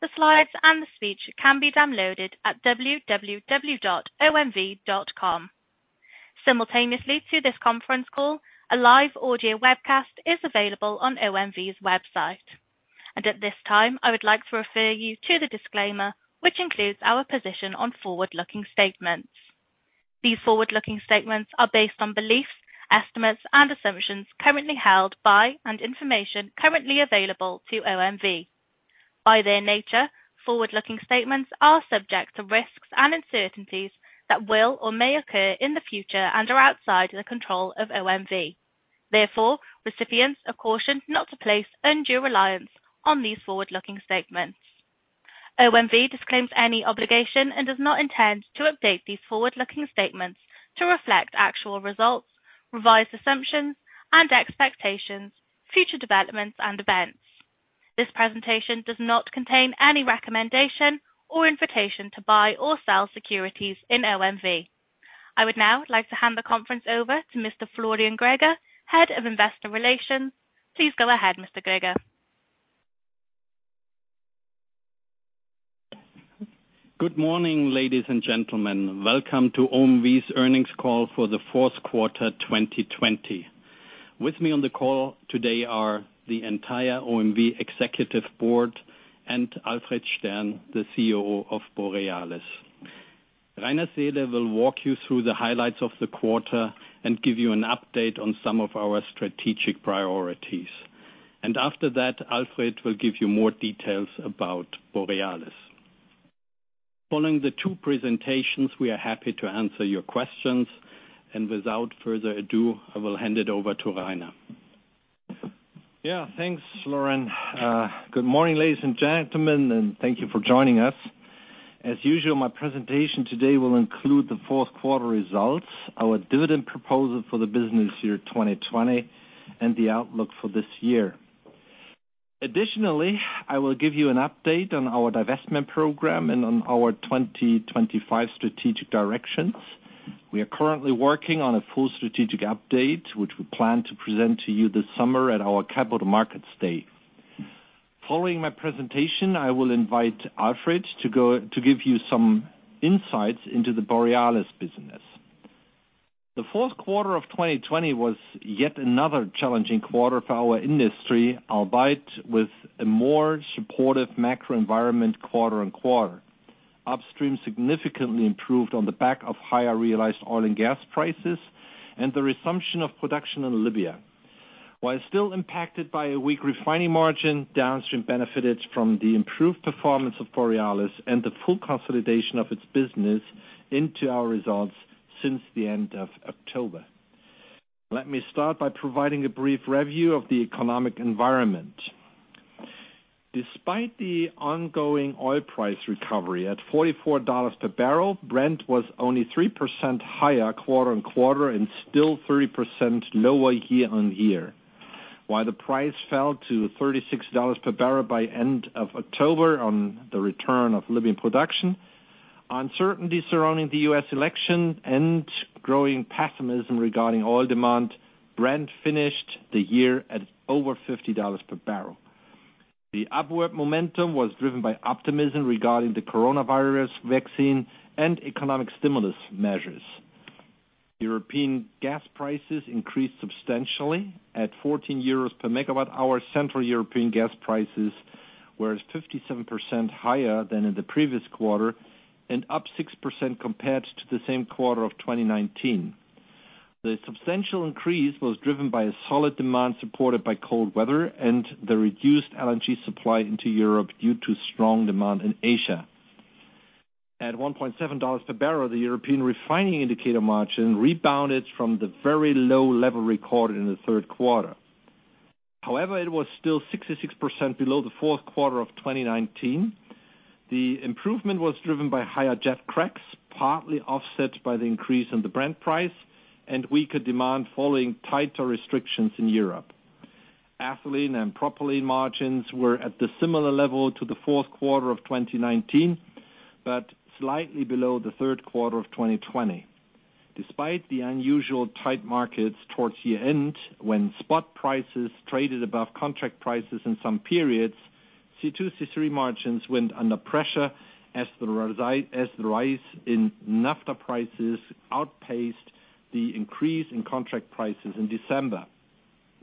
At this time, I would like to refer you to the disclaimer, which includes our position on forward-looking statements. These forward-looking statements are based on beliefs, estimates, and assumptions currently held by and information currently available to OMV. By their nature, forward-looking statements are subject to risks and uncertainties that will or may occur in the future and are outside the control of OMV. Therefore, recipients are cautioned not to place undue reliance on these forward-looking statements. OMV disclaims any obligation and does not intend to update these forward-looking statements to reflect actual results, revised assumptions and expectations, future developments, and events. This presentation does not contain any recommendation or invitation to buy or sell securities in OMV. I would now like to hand the conference over to Mr. Florian Greger, Head of Investor Relations. Please go ahead, Mr. Greger. Good morning, ladies and gentlemen. Welcome to OMV's earnings call for the fourth quarter 2020. With me on the call today are the entire OMV Executive Board and Alfred Stern, the CEO of Borealis. Rainer Seele will walk you through the highlights of the quarter and give you an update on some of our strategic priorities. After that, Alfred will give you more details about Borealis. Following the two presentations, we are happy to answer your questions. Without further ado, I will hand it over to Rainer. Thanks, Florian. Good morning, ladies and gentlemen, and thank you for joining us. As usual, my presentation today will include the fourth quarter results, our dividend proposal for the business year 2020, and the outlook for this year. Additionally, I will give you an update on our divestment program and on our 2025 strategic directions. We are currently working on a full strategic update, which we plan to present to you this summer at our Capital Markets Day. Following my presentation, I will invite Alfred to give you some insights into the Borealis business. The fourth quarter of 2020 was yet another challenging quarter for our industry, albeit with a more supportive macro environment quarter-on-quarter. Upstream significantly improved on the back of higher realized oil and gas prices and the resumption of production in Libya. While still impacted by a weak refining margin, Downstream benefited from the improved performance of Borealis and the full consolidation of its business into our results since the end of October. Let me start by providing a brief review of the economic environment. Despite the ongoing oil price recovery at $44 per barrel, Brent was only 3% higher quarter-on-quarter and still 30% lower year-on-year. While the price fell to $36 per barrel by end of October on the return of Libyan production, uncertainty surrounding the US election and growing pessimism regarding oil demand, Brent finished the year at over $50 per barrel. The upward momentum was driven by optimism regarding the coronavirus vaccine and economic stimulus measures. European gas prices increased substantially at 14 euros per megawatt-hour. Central European gas prices were at 57% higher than in the previous quarter and up 6% compared to the same quarter of 2019. The substantial increase was driven by a solid demand supported by cold weather and the reduced LNG supply into Europe due to strong demand in Asia. At $1.7 per barrel, the European refining indicator margin rebounded from the very low level recorded in the third quarter. However, it was still 66% below the fourth quarter of 2019. The improvement was driven by higher jet cracks, partly offset by the increase in the Brent price and weaker demand following tighter restrictions in Europe. Ethylene and propylene margins were at the similar level to the fourth quarter of 2019, but slightly below the third quarter of 2020. Despite the unusual tight markets towards year-end, when spot prices traded above contract prices in some periods, C2, C3 margins went under pressure as the rise in naphtha prices outpaced the increase in contract prices in December.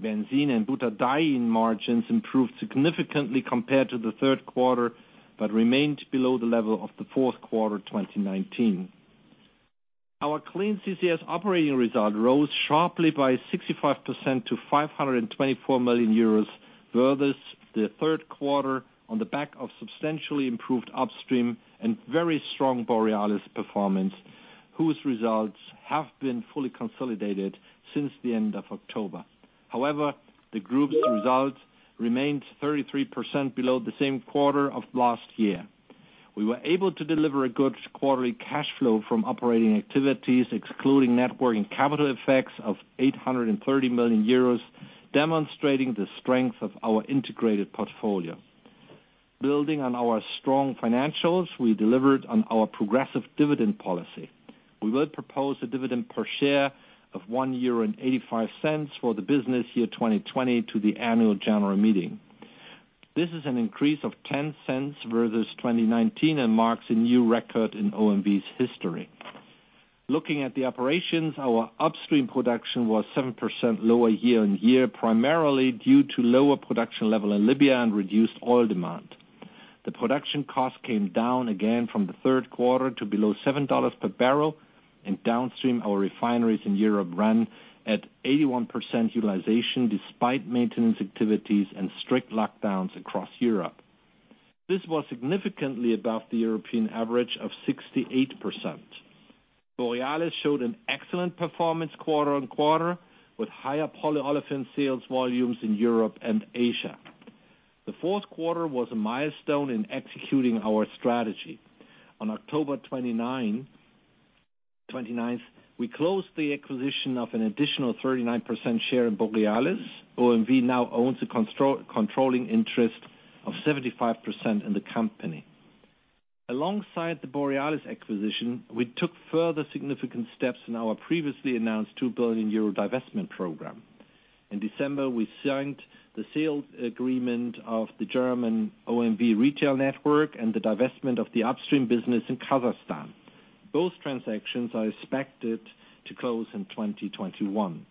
Benzene and butadiene margins improved significantly compared to the third quarter, but remained below the level of the fourth quarter 2019. Our Clean CCS operating result rose sharply by 65% to 524 million euros versus the third quarter on the back of substantially improved upstream and very strong Borealis performance, whose results have been fully consolidated since the end of October. The group's results remained 33% below the same quarter of last year. We were able to deliver a good quarterly cash flow from operating activities, excluding net working capital effects of 830 million euros, demonstrating the strength of our integrated portfolio. Building on our strong financials, we delivered on our progressive dividend policy. We will propose a dividend per share of 1.85 euro for the business year 2020 to the annual general meeting. This is an increase of 0.10 versus 2019 and marks a new record in OMV's history. Looking at the operations, our upstream production was 7% lower year-on-year, primarily due to lower production level in Libya and reduced oil demand. The production cost came down again from the third quarter to below $7 per barrel. In downstream, our refineries in Europe ran at 81% utilization despite maintenance activities and strict lockdowns across Europe. This was significantly above the European average of 68%. Borealis showed an excellent performance quarter-on-quarter with higher polyolefin sales volumes in Europe and Asia. The fourth quarter was a milestone in executing our strategy. On October 29th, we closed the acquisition of an additional 39% share in Borealis. OMV now owns a controlling interest of 75% in the company. Alongside the Borealis acquisition, we took further significant steps in our previously announced 2 billion euro divestment program. In December, we signed the sales agreement of the German OMV retail network and the divestment of the upstream business in Kazakhstan. Both transactions are expected to close in 2021.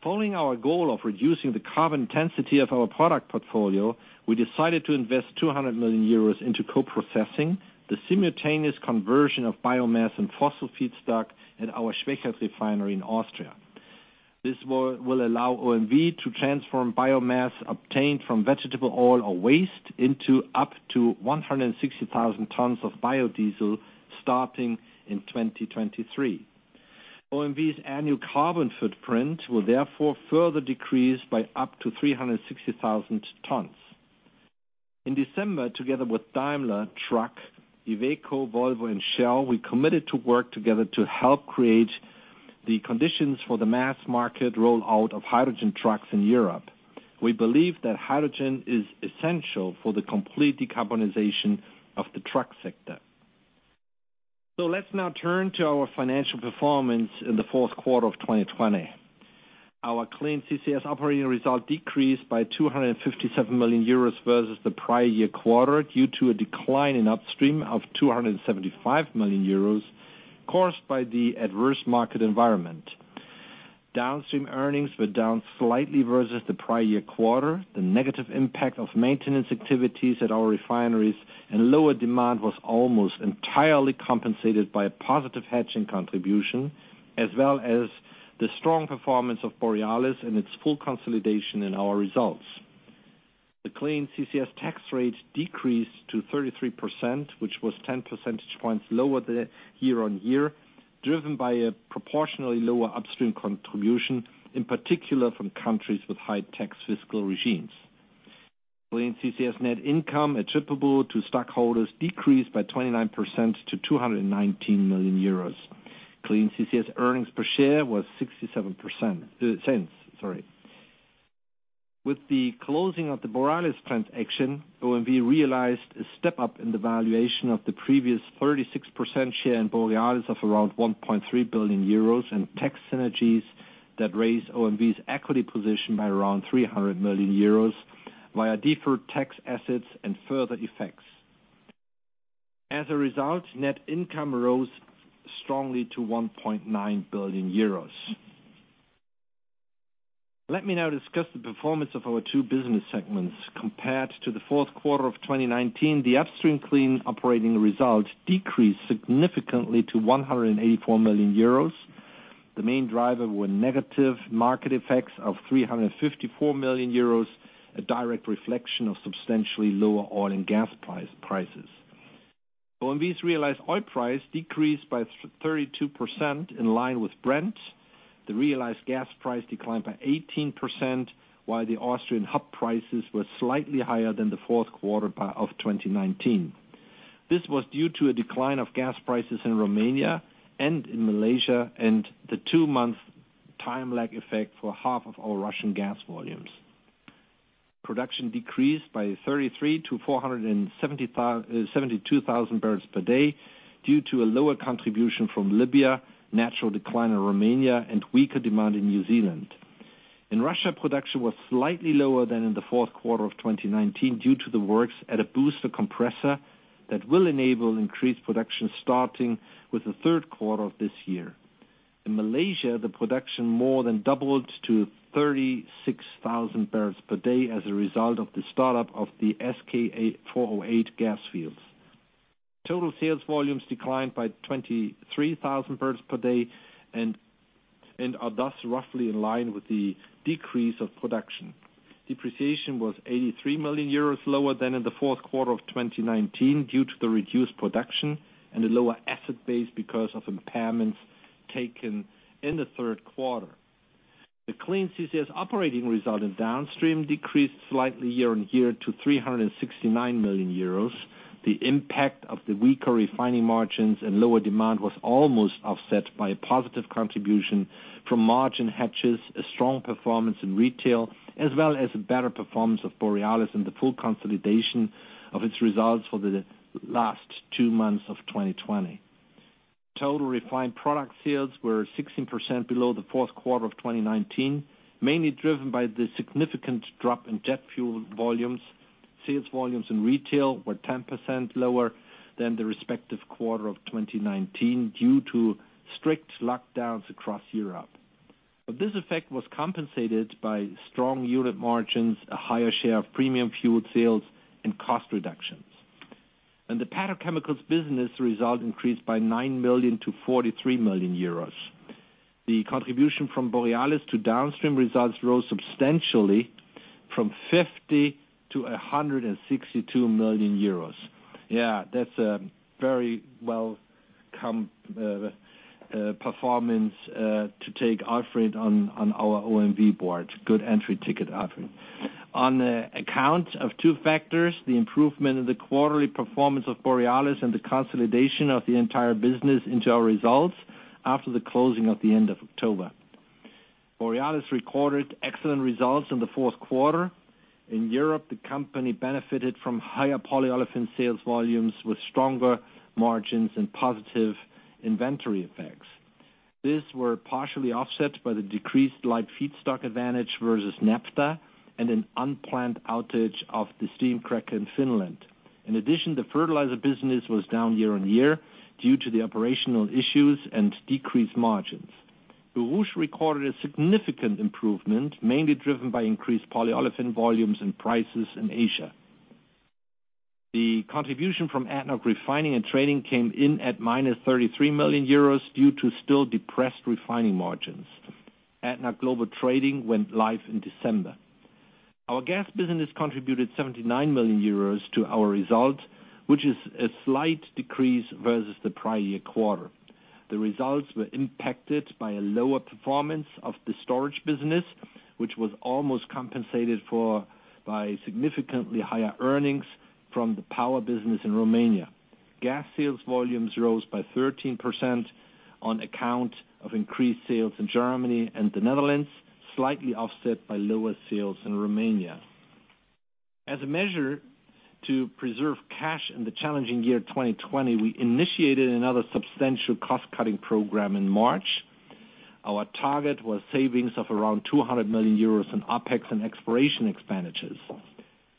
Following our goal of reducing the carbon intensity of our product portfolio, we decided to invest 200 million euros into co-processing, the simultaneous conversion of biomass and fossil feedstock at our Schwechat Refinery in Austria. This will allow OMV to transform biomass obtained from vegetable oil or waste into up to 160,000 tons of biodiesel, starting in 2023. OMV's annual carbon footprint will therefore further decrease by up to 360,000 tons. In December, together with Daimler Truck, IVECO, Volvo, and Shell, we committed to work together to help create the conditions for the mass market rollout of hydrogen trucks in Europe. We believe that hydrogen is essential for the complete decarbonization of the truck sector. Let's now turn to our financial performance in the fourth quarter of 2020. Our Clean CCS operating result decreased by 257 million euros versus the prior year quarter due to a decline in upstream of 275 million euros, caused by the adverse market environment. Downstream earnings were down slightly versus the prior year quarter. The negative impact of maintenance activities at our refineries and lower demand was almost entirely compensated by a positive hedging contribution, as well as the strong performance of Borealis and its full consolidation in our results. The Clean CCS tax rate decreased to 33%, which was 10 percentage points lower year-on-year, driven by a proportionally lower upstream contribution, in particular from countries with high tax fiscal regimes. Clean CCS net income attributable to stockholders decreased by 29% to 219 million euros. Clean CCS earnings per share was 0.67, sorry. With the closing of the Borealis transaction, OMV realized a step-up in the valuation of the previous 36% share in Borealis of around 1.3 billion euros and tax synergies that raise OMV's equity position by around 300 million euros via deferred tax assets and further effects. As a result, net income rose strongly to 1.9 billion euros. Let me now discuss the performance of our two business segments. Compared to the fourth quarter of 2019, the upstream Clean operating result decreased significantly to 184 million euros. The main driver were negative market effects of €354 million, a direct reflection of substantially lower oil and gas prices. OMV's realized oil price decreased by 32% in line with Brent. The realized gas price declined by 18%, while the Austrian hub prices were slightly higher than the fourth quarter part of 2019. This was due to a decline of gas prices in Romania and in Malaysia and the two-month time lag effect for half of our Russian gas volumes. Production decreased by 33 to 472,000 barrels per day due to a lower contribution from Libya, natural decline in Romania, and weaker demand in New Zealand. In Russia, production was slightly lower than in the fourth quarter of 2019 due to the works at a booster compressor that will enable increased production starting with the third quarter of this year. In Malaysia, the production more than doubled to 36,000 barrels per day as a result of the start-up of the SK408 gas fields. Total sales volumes declined by 23,000 barrels per day and are thus roughly in line with the decrease of production. Depreciation was 83 million euros lower than in the fourth quarter of 2019 due to the reduced production and a lower asset base because of impairments taken in the third quarter. The Clean CCS operating result in Downstream decreased slightly year-on-year to 369 million euros. The impact of the weaker refining margins and lower demand was almost offset by a positive contribution from margin hedges, a strong performance in retail, as well as a better performance of Borealis and the full consolidation of its results for the last two months of 2020. Total refined product sales were 16% below the fourth quarter of 2019, mainly driven by the significant drop in jet fuel volumes. Sales volumes in retail were 10% lower than the respective quarter of 2019 due to strict lockdowns across Europe. This effect was compensated by strong unit margins, a higher share of premium fuel sales, and cost reductions. In the petrochemical business, the result increased by 9 million to 43 million euros. The contribution from Borealis to Downstream results rose substantially from 50 million to 162 million euros. Yeah, that's a very well performance to take Alfred on our OMV board. Good entry ticket, Alfred. On account of two factors, the improvement in the quarterly performance of Borealis and the consolidation of the entire business into our results after the closing at the end of October. Borealis recorded excellent results in the fourth quarter. In Europe, the company benefited from higher polyolefin sales volumes with stronger margins and positive inventory effects. These were partially offset by the decreased light feedstock advantage versus naphtha and an unplanned outage of the steam cracker in Finland. In addition, the fertilizer business was down year-on-year due to the operational issues and decreased margins. Borouge recorded a significant improvement, mainly driven by increased polyolefin volumes and prices in Asia. The contribution from ADNOC Refining and Trading came in at -33 million euros due to still depressed refining margins. ADNOC Global Trading went live in December. Our gas business contributed 79 million euros to our results, which is a slight decrease versus the prior year quarter. The results were impacted by a lower performance of the storage business, which was almost compensated for by significantly higher earnings from the power business in Romania. Gas sales volumes rose by 13% on account of increased sales in Germany and the Netherlands, slightly offset by lower sales in Romania. As a measure to preserve cash in the challenging year 2020, we initiated another substantial cost-cutting program in March. Our target was savings of around 200 million euros in OpEx and exploration expenditures.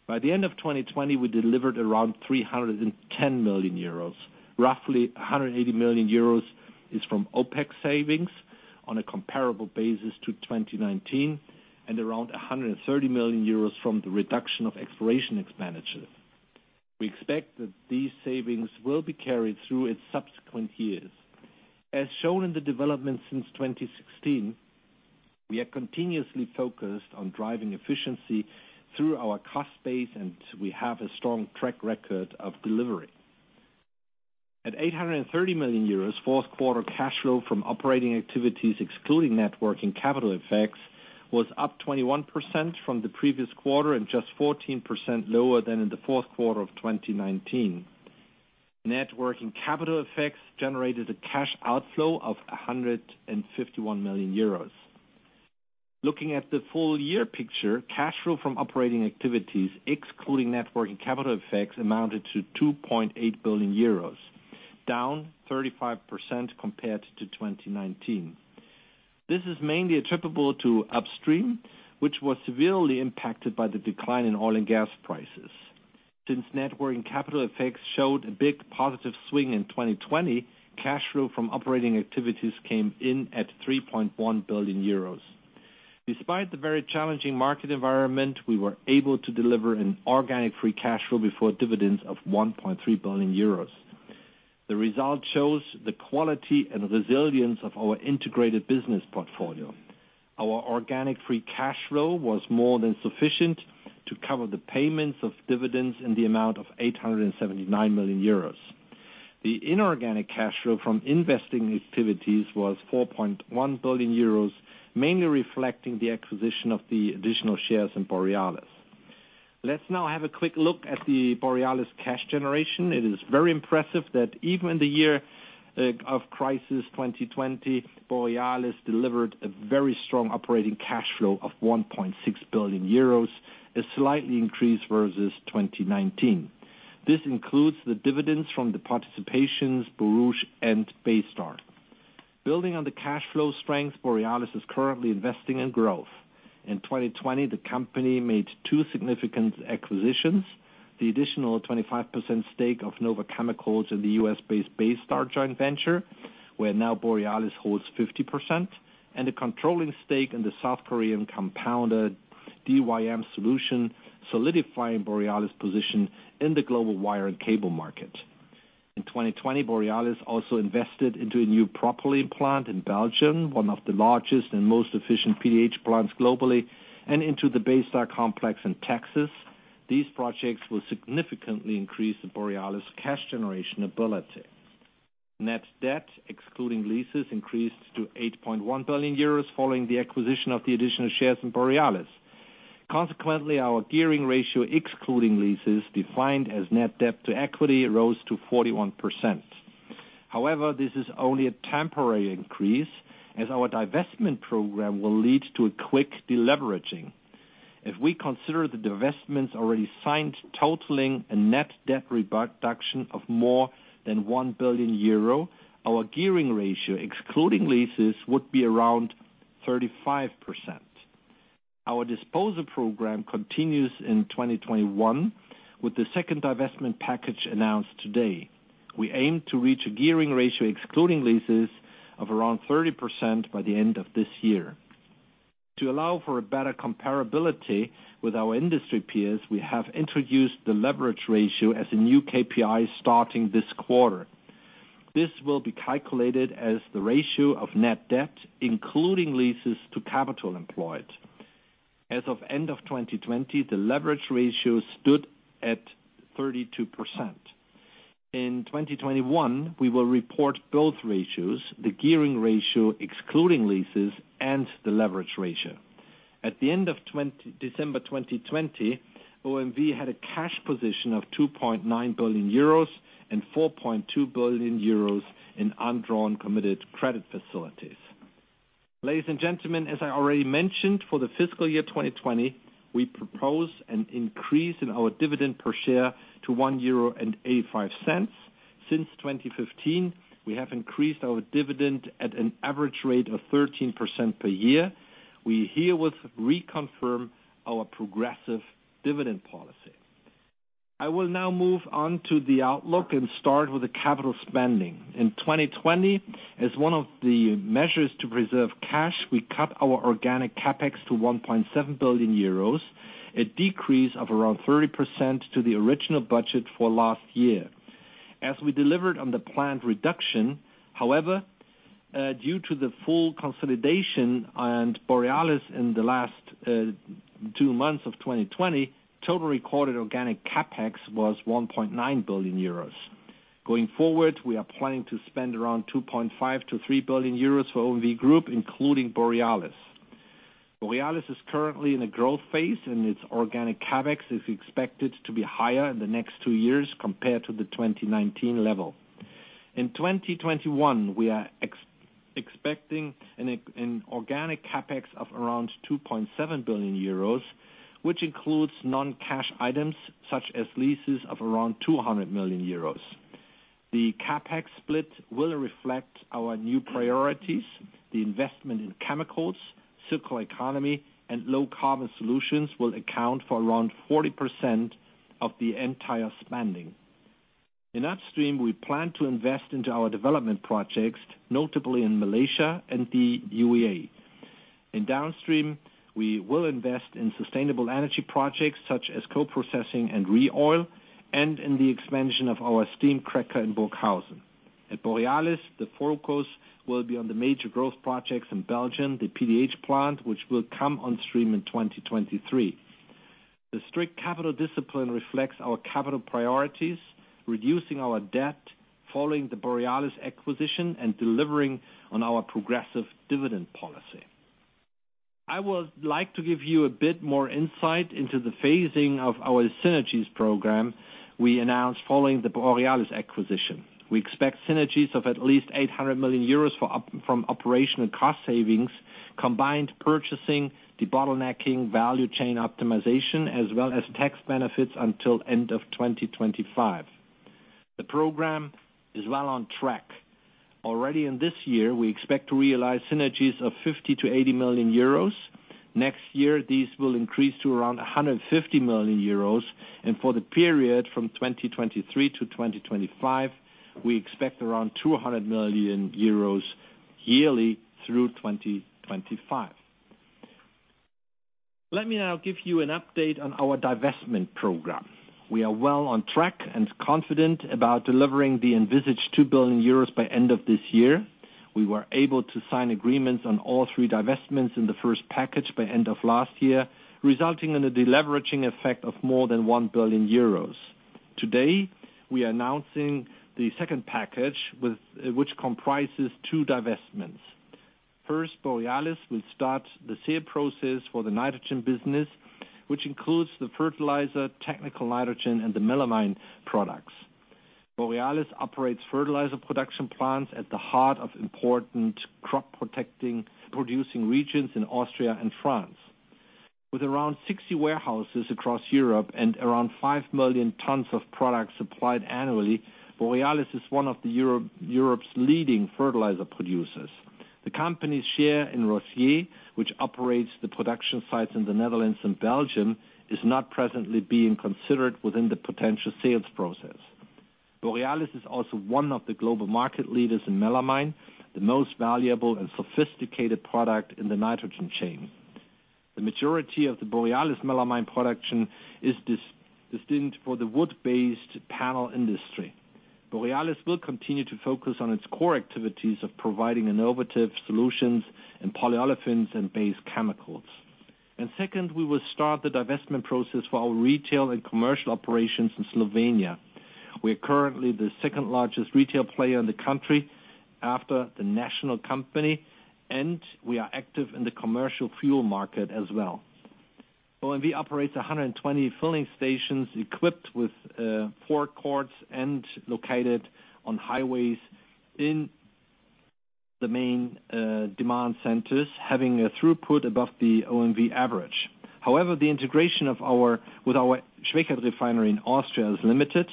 By the end of 2020, we delivered around 310 million euros. Roughly 180 million euros is from OpEx savings on a comparable basis to 2019, and around 130 million euros from the reduction of exploration expenditures. We expect that these savings will be carried through its subsequent years. As shown in the development since 2016, we are continuously focused on driving efficiency through our cost base, and we have a strong track record of delivery. At 830 million euros, fourth quarter cash flow from operating activities excluding net working capital effects, was up 21% from the previous quarter and just 14% lower than in the fourth quarter of 2019. Net working capital effects generated a cash outflow of 151 million euros. Looking at the full year picture, cash flow from operating activities, excluding net working capital effects, amounted to 2.8 billion euros, down 35% compared to 2019. This is mainly attributable to Upstream, which was severely impacted by the decline in oil and gas prices. Since net working capital effects showed a big positive swing in 2020, cash flow from operating activities came in at 3.1 billion euros. Despite the very challenging market environment, we were able to deliver an organic free cash flow before dividends of 1.3 billion euros. The result shows the quality and resilience of our integrated business portfolio. Our organic free cash flow was more than sufficient to cover the payments of dividends in the amount of 879 million euros. The inorganic cash flow from investing activities was 4.1 billion euros, mainly reflecting the acquisition of the additional shares in Borealis. Let's now have a quick look at the Borealis cash generation. It is very impressive that even in the year of crisis, 2020, Borealis delivered a very strong operating cash flow of 1.6 billion euros, a slight increase versus 2019. This includes the dividends from the participations Borouge and Baystar. Building on the cash flow strength, Borealis is currently investing in growth. In 2020, the company made two significant acquisitions, the additional 25% stake of NOVA Chemicals in the U.S.-based Baystar joint venture, where now Borealis holds 50%, and a controlling stake in the South Korean compounder DYM Solution, solidifying Borealis' position in the global wire and cable market. In 2020, Borealis also invested into a new propylene plant in Belgium, one of the largest and most efficient PDH plants globally, and into the Baystar complex in Texas. These projects will significantly increase the Borealis cash generation ability. Net debt, excluding leases, increased to 8.1 billion euros following the acquisition of the additional shares in Borealis. Our gearing ratio, excluding leases, defined as net debt to equity, rose to 41%. This is only a temporary increase, as our divestment program will lead to a quick deleveraging. If we consider the divestments already signed totaling a net debt reduction of more than 1 billion euro, our gearing ratio, excluding leases, would be around 35%. Our disposal program continues in 2021 with the second divestment package announced today. We aim to reach a gearing ratio, excluding leases, of around 30% by the end of this year. To allow for a better comparability with our industry peers, we have introduced the leverage ratio as a new KPI starting this quarter. This will be calculated as the ratio of net debt, including leases, to capital employed. As of end of 2020, the leverage ratio stood at 32%. In 2021, we will report both ratios, the gearing ratio, excluding leases, and the leverage ratio. At the end of December 2020, OMV had a cash position of 2.9 billion euros and 4.2 billion euros in undrawn committed credit facilities. Ladies and gentlemen, as I already mentioned, for the fiscal year 2020, we propose an increase in our dividend per share to 1.85 euro. Since 2015, we have increased our dividend at an average rate of 13% per year. We herewith reconfirm our progressive dividend policy. I will now move on to the outlook and start with the capital spending. In 2020, as one of the measures to preserve cash, we cut our organic CapEx to 1.7 billion euros, a decrease of around 30% to the original budget for last year. As we delivered on the planned reduction, however, due to the full consolidation and Borealis in the last two months of 2020, total recorded organic CapEx was 1.9 billion euros. Going forward, we are planning to spend around 2.5 billion-3 billion euros for OMV Group, including Borealis. Borealis is currently in a growth phase, and its organic CapEx is expected to be higher in the next two years compared to the 2019 level. In 2021, we are expecting an organic CapEx of around 2.7 billion euros, which includes non-cash items such as leases of around 200 million euros. The CapEx split will reflect our new priorities. The investment in chemicals, circular economy, and low-carbon solutions will account for around 40% of the entire spending. In upstream, we plan to invest into our development projects, notably in Malaysia and the UAE. In downstream, we will invest in sustainable energy projects such as co-processing and ReOil, and in the expansion of our steam cracker in Burghausen. At Borealis, the focus will be on the major growth projects in Belgium, the PDH plant, which will come on stream in 2023. The strict capital discipline reflects our capital priorities, reducing our debt following the Borealis acquisition and delivering on our progressive dividend policy. I would like to give you a bit more insight into the phasing of our synergies program we announced following the Borealis acquisition. We expect synergies of at least 800 million euros from operational cost savings, combined purchasing, debottlenecking, value chain optimization, as well as tax benefits until end of 2025. The program is well on track. Already in this year, we expect to realize synergies of 50 million-80 million euros. Next year, these will increase to around 150 million euros. For the period from 2023 to 2025, we expect around 200 million euros yearly through 2025. Let me now give you an update on our divestment program. We are well on track and confident about delivering the envisaged 2 billion euros by end of this year. We were able to sign agreements on all three divestments in the first package by end of last year, resulting in a deleveraging effect of more than 1 billion euros. Today, we are announcing the second package, which comprises two divestments. First, Borealis will start the sale process for the nitrogen business, which includes the fertilizer, technical nitrogen, and the melamine products. Borealis operates fertilizer production plants at the heart of important crop producing regions in Austria and France. With around 60 warehouses across Europe and around 5 million tons of products supplied annually, Borealis is one of Europe's leading fertilizer producers. The company's share in Rosier, which operates the production sites in the Netherlands and Belgium, is not presently being considered within the potential sales process. Borealis is also one of the global market leaders in melamine, the most valuable and sophisticated product in the nitrogen chain. The majority of the Borealis melamine production is destined for the wood-based panel industry. Borealis will continue to focus on its core activities of providing innovative solutions in polyolefins and base chemicals. Second, we will start the divestment process for our retail and commercial operations in Slovenia. We are currently the second-largest retail player in the country after the national company, and we are active in the commercial fuel market as well. OMV operates 120 filling stations equipped with forecourts and located on highways in the main demand centers, having a throughput above the OMV average. However, the integration with our Schwechat Refinery in Austria is limited,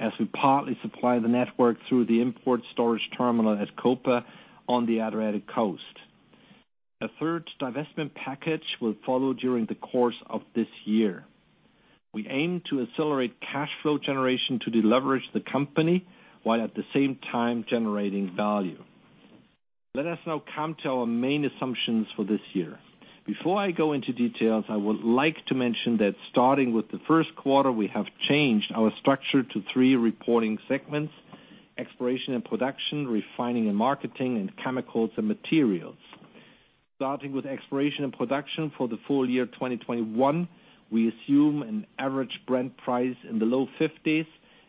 as we partly supply the network through the import storage terminal at Koper on the Adriatic coast. A third divestment package will follow during the course of this year. We aim to accelerate cash flow generation to deleverage the company, while at the same time generating value. Let us now come to our main assumptions for this year. Before I go into details, I would like to mention that starting with the first quarter, we have changed our structure to three reporting segments: Exploration and Production, Refining and Marketing, and Chemicals and Materials. Starting with Exploration and Production for the full year 2021, we assume an average Brent price in the low 50s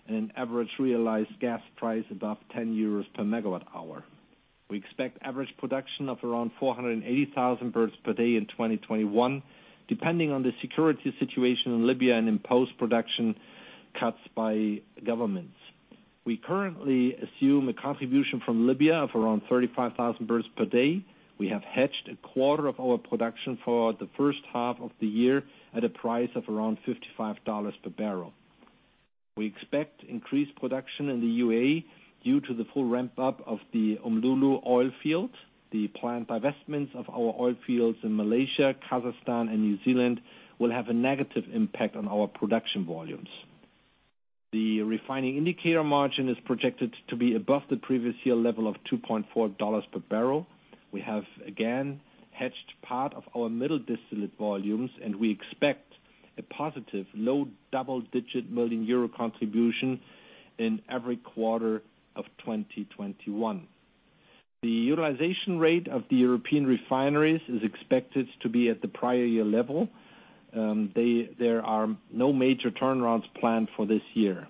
and an average realized gas price above 10 euros per megawatt-hour. We expect average production of around 480,000 barrels per day in 2021, depending on the security situation in Libya and imposed production cuts by governments. We currently assume a contribution from Libya of around 35,000 barrels per day. We have hedged a quarter of our production for the first half of the year at a price of around $55 per barrel. We expect increased production in the UAE due to the full ramp-up of the Umm Lulu oil field. The planned divestments of our oil fields in Malaysia, Kazakhstan, and New Zealand will have a negative impact on our production volumes. The refining indicator margin is projected to be above the previous year level of $2.40 per barrel. We have again hedged part of our middle distillate volumes, and we expect a positive low double-digit million euro contribution in every quarter of 2021. The utilization rate of the European refineries is expected to be at the prior year level. There are no major turnarounds planned for this year.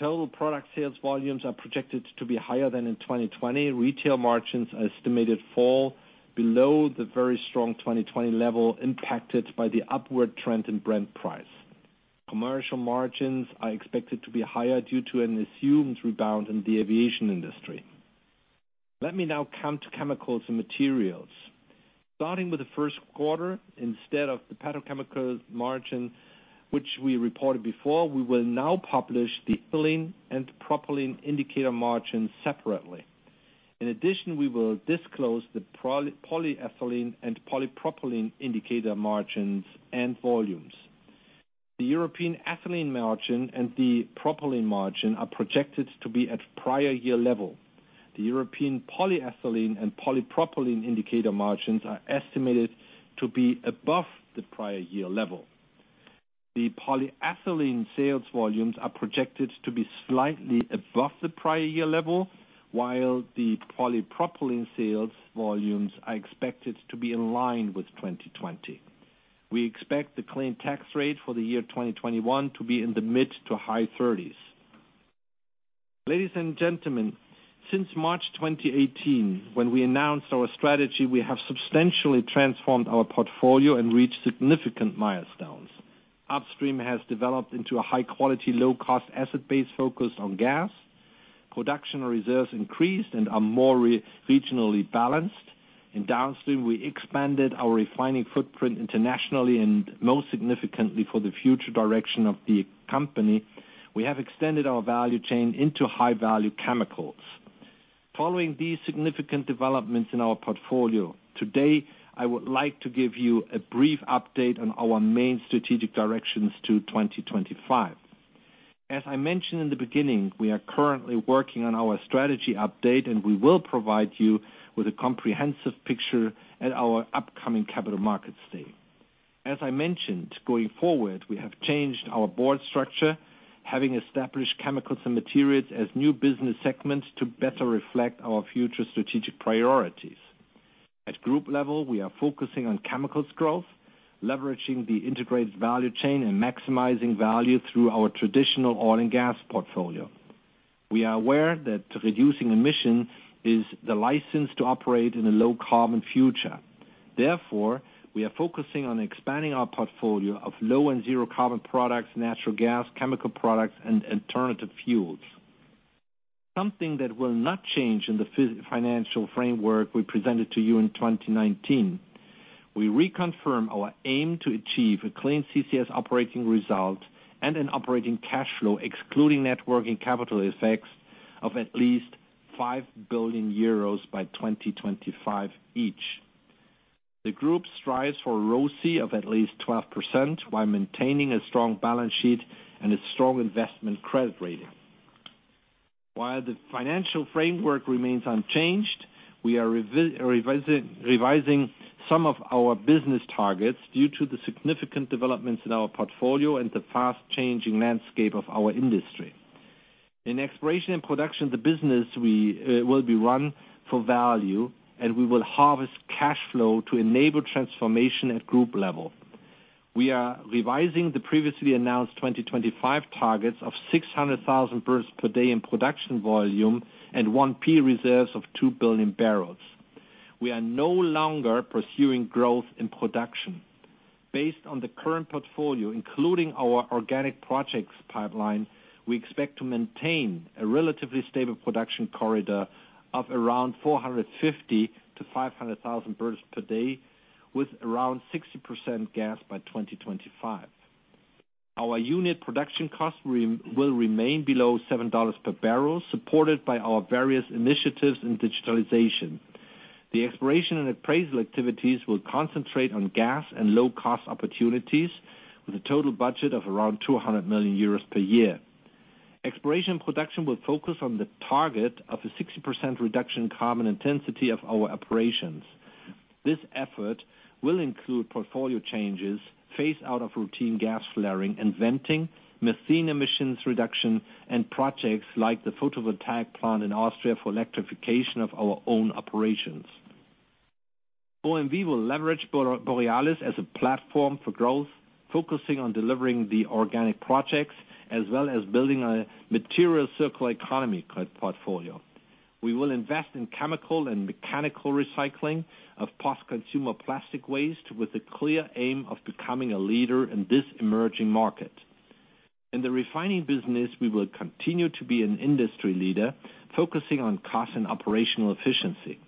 Total product sales volumes are projected to be higher than in 2020. Retail margins are estimated fall below the very strong 2020 level impacted by the upward trend in Brent price. Commercial margins are expected to be higher due to an assumed rebound in the aviation industry. Let me now come to Chemicals & Materials. Starting with the first quarter, instead of the petrochemical margin, which we reported before, we will now publish the ethylene and propylene indicator margin separately. In addition, we will disclose the polyethylene and polypropylene indicator margins and volumes. The European ethylene margin and the propylene margin are projected to be at prior year level. The European polyethylene and polypropylene indicator margins are estimated to be above the prior year level. The polyethylene sales volumes are projected to be slightly above the prior year level, while the polypropylene sales volumes are expected to be in line with 2020. We expect the clean tax rate for the year 2021 to be in the mid to high 30s. Ladies and gentlemen, since March 2018, when we announced our strategy, we have substantially transformed our portfolio and reached significant milestones. Upstream has developed into a high-quality, low-cost asset base focused on gas. Production reserves increased and are more regionally balanced. In Downstream, we expanded our refining footprint internationally and most significantly for the future direction of the company, we have extended our value chain into high-value Chemicals. Following these significant developments in our portfolio, today, I would like to give you a brief update on our main strategic directions to 2025. As I mentioned in the beginning, we are currently working on our strategy update, and we will provide you with a comprehensive picture at our upcoming Capital Markets Day. As I mentioned, going forward, we have changed our board structure, having established Chemicals & Materials as new business segments to better reflect our future strategic priorities. At group level, we are focusing on chemicals growth, leveraging the integrated value chain, and maximizing value through our traditional oil and gas portfolio. We are aware that reducing emissions is the license to operate in a low-carbon future. Therefore, we are focusing on expanding our portfolio of low and zero-carbon products, natural gas, chemical products, and alternative fuels. Something that will not change in the financial framework we presented to you in 2019. We reconfirm our aim to achieve a Clean CCS operating result and an operating cash flow excluding net working capital effects of at least €5 billion by 2025 each. The group strives for a ROCE of at least 12% while maintaining a strong balance sheet and a strong investment credit rating. The financial framework remains unchanged, we are revising some of our business targets due to the significant developments in our portfolio and the fast-changing landscape of our industry. In Exploration & Production, the business will be run for value, we will harvest cash flow to enable transformation at group level. We are revising the previously announced 2025 targets of 600,000 barrels per day in production volume and 1P reserves of 2 billion barrels. We are no longer pursuing growth in production. Based on the current portfolio, including our organic projects pipeline, we expect to maintain a relatively stable production corridor of around 450,000-500,000 barrels per day with around 60% gas by 2025. Our unit production cost will remain below $7 per barrel, supported by our various initiatives in digitalization. The exploration and appraisal activities will concentrate on gas and low-cost opportunities with a total budget of around 200 million euros per year. Exploration Production will focus on the target of a 60% reduction in carbon intensity of our operations. This effort will include portfolio changes, phase out of routine gas flaring and venting, methane emissions reduction, and projects like the photovoltaic plant in Austria for electrification of our own operations. OMV will leverage Borealis as a platform for growth, focusing on delivering the organic projects as well as building a material circular economy portfolio. We will invest in chemical and mechanical recycling of post-consumer plastic waste with a clear aim of becoming a leader in this emerging market. In the refining business, we will continue to be an industry leader, focusing on cost and operational efficiency.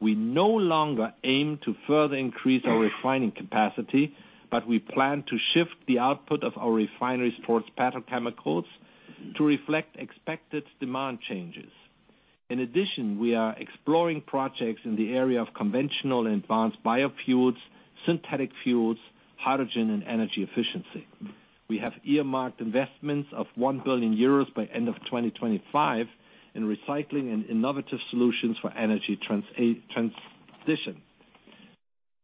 We no longer aim to further increase our refining capacity, but we plan to shift the output of our refineries towards petrochemicals to reflect expected demand changes. In addition, we are exploring projects in the area of conventional advanced biofuels, synthetic fuels, hydrogen, and energy efficiency. We have earmarked investments of 1 billion euros by end of 2025 in recycling and innovative solutions for energy transition.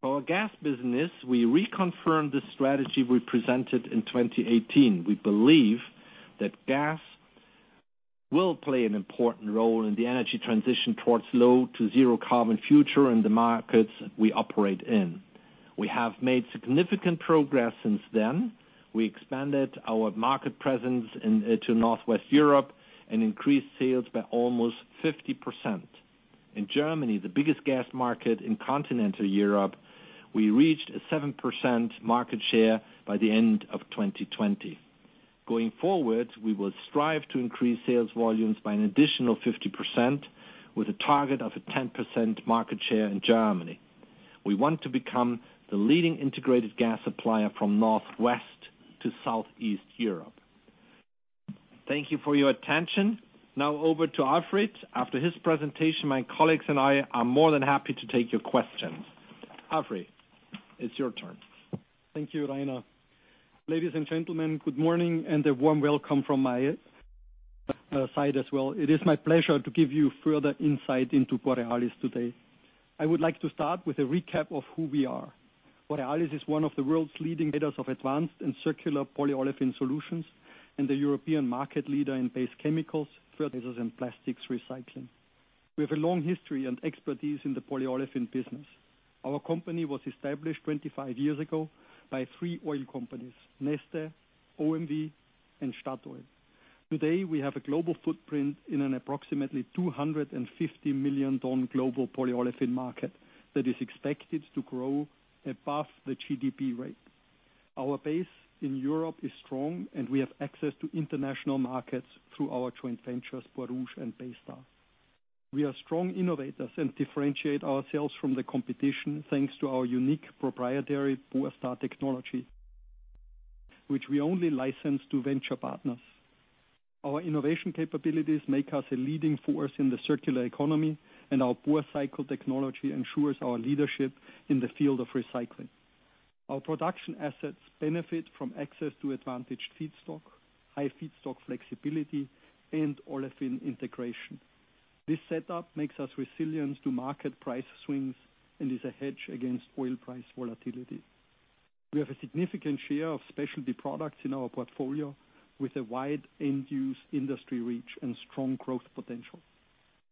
For our gas business, we reconfirm the strategy we presented in 2018. We believe that gas will play an important role in the energy transition towards low to zero carbon future in the markets we operate in. We have made significant progress since then. We expanded our market presence to Northwest Europe and increased sales by almost 50%. In Germany, the biggest gas market in continental Europe, we reached a 7% market share by the end of 2020. Going forward, we will strive to increase sales volumes by an additional 50% with a target of a 10% market share in Germany. We want to become the leading integrated gas supplier from Northwest to Southeast Europe. Thank you for your attention. Now over to Alfred. After his presentation, my colleagues and I are more than happy to take your questions. Alfred, it's your turn. Thank you, Rainer. Ladies and gentlemen, good morning, and a warm welcome from my side as well. It is my pleasure to give you further insight into Borealis today. I would like to start with a recap of who we are. Borealis is one of the world's leading leaders of advanced and circular polyolefin solutions and the European market leader in base chemicals, fertilizers, and plastics recycling. We have a long history and expertise in the polyolefin business. Our company was established 25 years ago by three oil companies, Neste, OMV, and Statoil. Today, we have a global footprint in an approximately 250 million ton global polyolefin market that is expected to grow above the GDP rate. Our base in Europe is strong, and we have access to international markets through our joint ventures, Borouge and Borstar. We are strong innovators and differentiate ourselves from the competition, thanks to our unique proprietary Borstar technology, which we only license to venture partners. Our innovation capabilities make us a leading force in the circular economy, and our Borcycle technology ensures our leadership in the field of recycling. Our production assets benefit from access to advantaged feedstock, high feedstock flexibility, and olefin integration. This setup makes us resilient to market price swings and is a hedge against oil price volatility. We have a significant share of specialty products in our portfolio with a wide end-use industry reach and strong growth potential.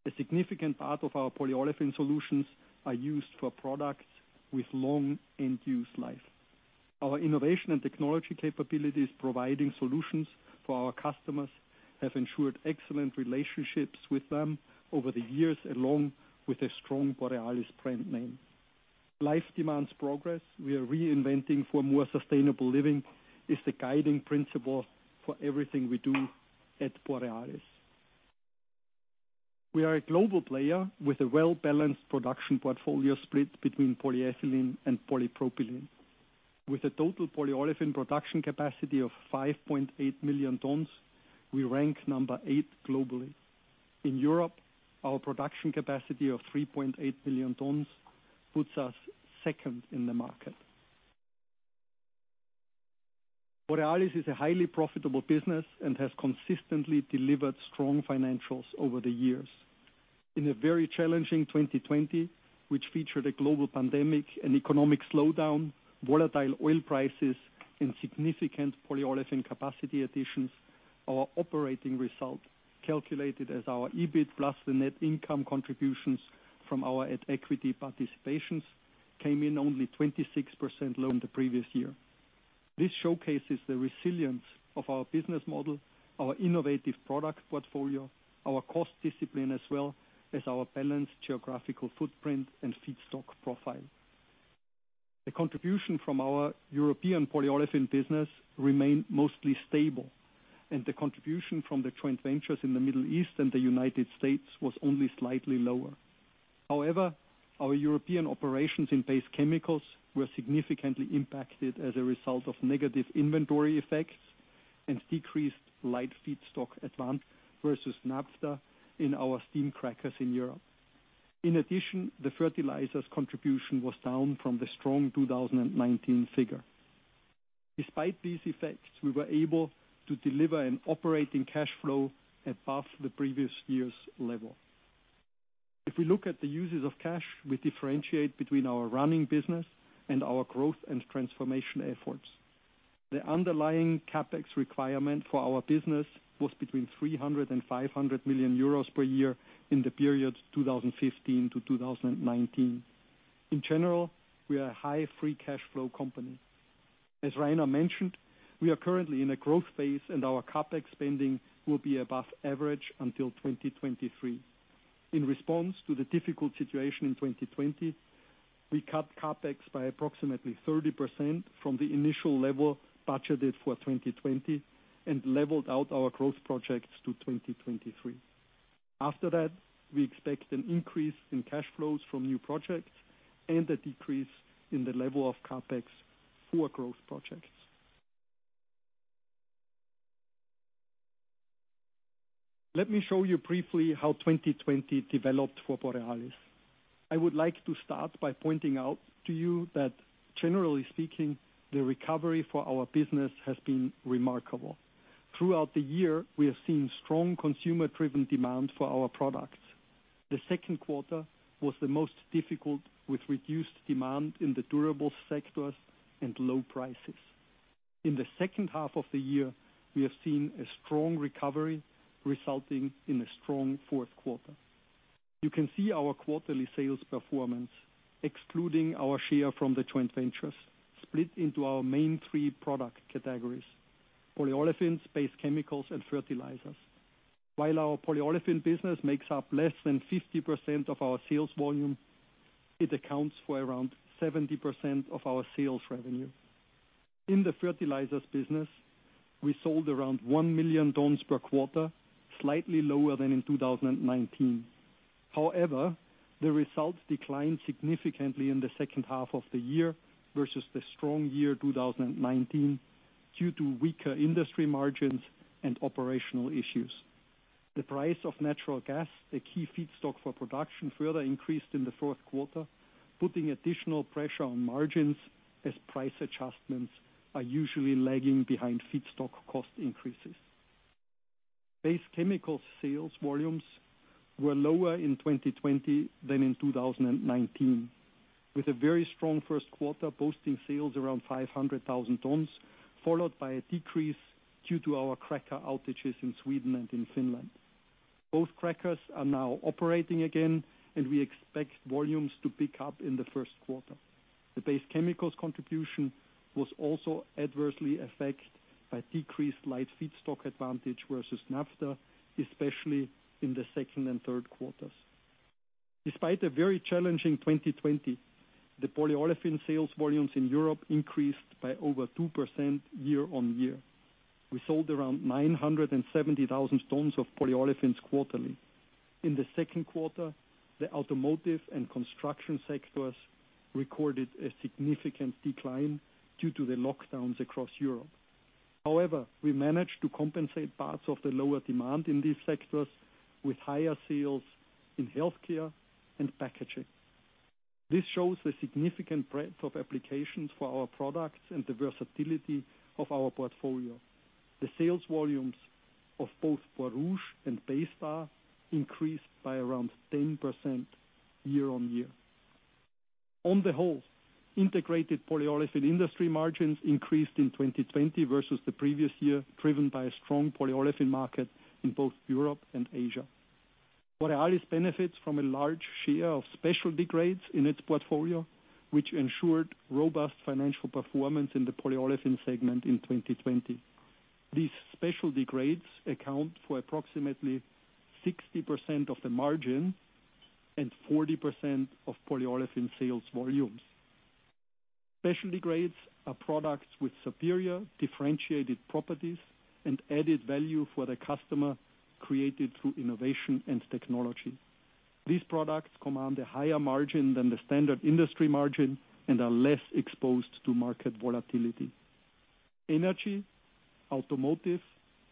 A significant part of our polyolefin solutions are used for products with long end-use life. Our innovation and technology capabilities providing solutions for our customers have ensured excellent relationships with them over the years, along with a strong Borealis brand name. Life demands progress we are reinventing for more sustainable living is the guiding principle for everything we do at Borealis. We are a global player with a well-balanced production portfolio split between polyethylene and polypropylene. With a total polyolefin production capacity of 5.8 million tons, we rank number eight globally. In Europe, our production capacity of 3.8 million tons puts us second in the market. Borealis is a highly profitable business and has consistently delivered strong financials over the years. In a very challenging 2020, which featured a global pandemic, an economic slowdown, volatile oil prices, and significant polyolefin capacity additions, our operating result, calculated as our EBIT plus the net income contributions from our at-equity participations, came in only 26% lower than the previous year. This showcases the resilience of our business model, our innovative product portfolio, our cost discipline, as well as our balanced geographical footprint and feedstock profile. The contribution from our European polyolefin business remained mostly stable, the contribution from the joint ventures in the Middle East and the U.S. was only slightly lower. However, our European operations in base chemicals were significantly impacted as a result of negative inventory effects and decreased light feedstock advantage versus naphtha in our steam crackers in Europe. In addition, the fertilizers contribution was down from the strong 2019 figure. Despite these effects, we were able to deliver an operating cash flow above the previous year's level. If we look at the uses of cash, we differentiate between our running business and our growth and transformation efforts. The underlying CapEx requirement for our business was between 300 million euros and 500 million euros per year in the period 2015 to 2019. In general, we are a high free cash flow company. As Rainer mentioned, we are currently in a growth phase, our CapEx spending will be above average until 2023. In response to the difficult situation in 2020, we cut CapEx by approximately 30% from the initial level budgeted for 2020, leveled out our growth projects to 2023. After that, we expect an increase in cash flows from new projects and a decrease in the level of CapEx for growth projects. Let me show you briefly how 2020 developed for Borealis. I would like to start by pointing out to you that generally speaking, the recovery for our business has been remarkable. Throughout the year, we have seen strong consumer-driven demand for our products. The second quarter was the most difficult, with reduced demand in the durable sectors and low prices. In the second half of the year, we have seen a strong recovery, resulting in a strong fourth quarter. You can see our quarterly sales performance, excluding our share from the joint ventures, split into our main three product categories: polyolefins, base chemicals, and fertilizers. While our polyolefin business makes up less than 50% of our sales volume, it accounts for around 70% of our sales revenue. In the fertilizers business, we sold around 1 million tons per quarter, slightly lower than in 2019. However, the results declined significantly in the second half of the year versus the strong year 2019 due to weaker industry margins and operational issues. The price of natural gas, the key feedstock for production, further increased in the fourth quarter, putting additional pressure on margins as price adjustments are usually lagging behind feedstock cost increases. Base chemical sales volumes were lower in 2020 than in 2019, with a very strong first quarter posting sales around 500,000 tons, followed by a decrease due to our cracker outages in Stenungsund and in Porvoo. Both crackers are now operating again, and we expect volumes to pick up in the first quarter. The base chemicals contribution was also adversely affected by decreased light feedstock advantage versus naphtha, especially in the second and third quarters. Despite a very challenging 2020, the polyolefin sales volumes in Europe increased by over 2% year-on-year. We sold around 970,000 tons of polyolefins quarterly. In the second quarter, the automotive and construction sectors recorded a significant decline due to the lockdowns across Europe. However, we managed to compensate parts of the lower demand in these sectors with higher sales in healthcare and packaging. This shows the significant breadth of applications for our products and the versatility of our portfolio. The sales volumes of both Borouge and Baystar increased by around 10% year-on-year. On the whole, integrated polyolefin industry margins increased in 2020 versus the previous year, driven by a strong polyolefin market in both Europe and Asia. Borealis benefits from a large share of specialty grades in its portfolio, which ensured robust financial performance in the polyolefin segment in 2020. These specialty grades account for approximately 60% of the margin and 40% of polyolefin sales volumes. Specialty grades are products with superior differentiated properties and added value for the customer created through innovation and technology. These products command a higher margin than the standard industry margin and are less exposed to market volatility. Energy, automotive,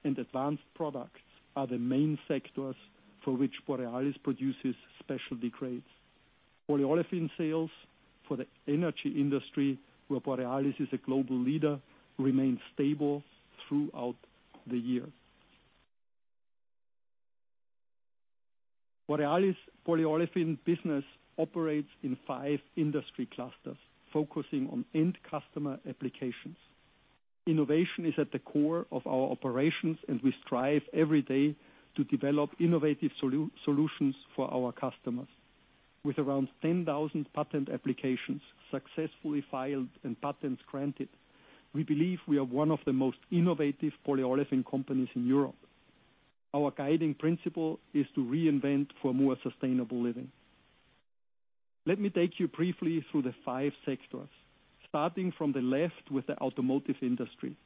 and advanced products are the main sectors for which Borealis produces specialty grades. Polyolefin sales for the energy industry, where Borealis is a global leader, remain stable throughout the year. Borealis polyolefin business operates in five industry clusters, focusing on end customer applications. Innovation is at the core of our operations, and we strive every day to develop innovative solutions for our customers. With around 10,000 patent applications successfully filed and patents granted, we believe we are one of the most innovative polyolefin companies in Europe. Our guiding principle is to reinvent for more sustainable living. Let me take you briefly through the five sectors, starting from the left with the automotive industry.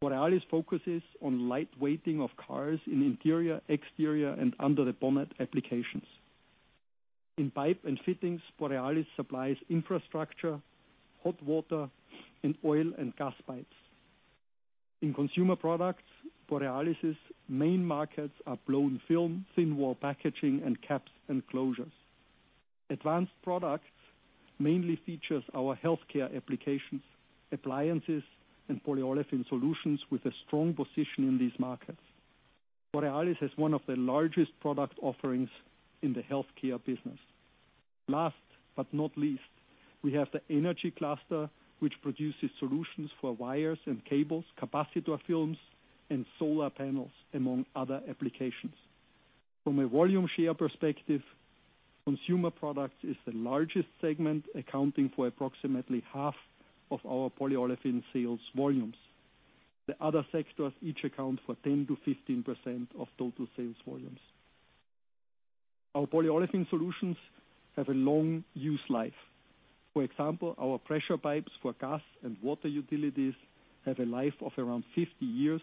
Borealis focuses on light-weighting of cars in interior, exterior, and under-the-bonnet applications. In pipe and fittings, Borealis supplies infrastructure, hot water, and oil and gas pipes. In consumer products, Borealis' main markets are blown film, thin-wall packaging, and caps and closures. Advanced products mainly features our healthcare applications, appliances, and polyolefin solutions with a strong position in these markets. Borealis has one of the largest product offerings in the healthcare business. Last but not least, we have the energy cluster, which produces solutions for wires and cables, capacitor films, and solar panels, among other applications. From a volume share perspective, consumer products is the largest segment, accounting for approximately half of our polyolefin sales volumes. The other sectors each account for 10%-15% of total sales volumes. Our polyolefin solutions have a long use life. For example, our pressure pipes for gas and water utilities have a life of around 50 years,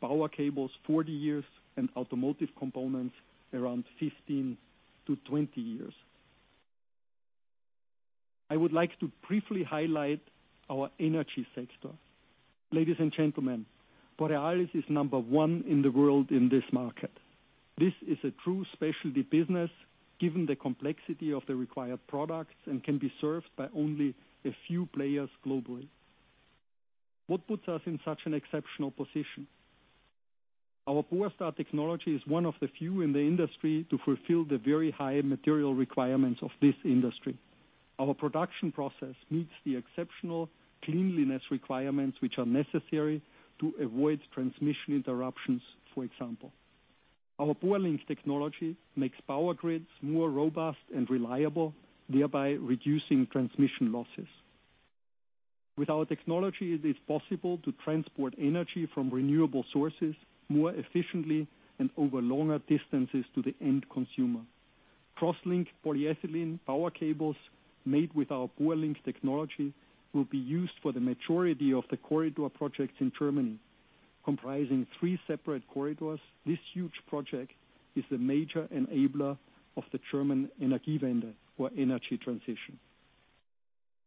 power cables 40 years, and automotive components around 15-20 years. I would like to briefly highlight our energy sector. Ladies and gentlemen, Borealis is number one in the world in this market. This is a true specialty business, given the complexity of the required products, and can be served by only a few players globally. What puts us in such an exceptional position? Our Borstar technology is one of the few in the industry to fulfill the very high material requirements of this industry. Our production process meets the exceptional cleanliness requirements, which are necessary to avoid transmission interruptions, for example. Our Borlink technology makes power grids more robust and reliable, thereby reducing transmission losses. With our technology, it is possible to transport energy from renewable sources more efficiently and over longer distances to the end consumer. Cross-linked polyethylene power cables made with our Borlink technology will be used for the majority of the corridor projects in Germany. Comprising 3 separate corridors, this huge project is the major enabler of the German Energiewende, or energy transition.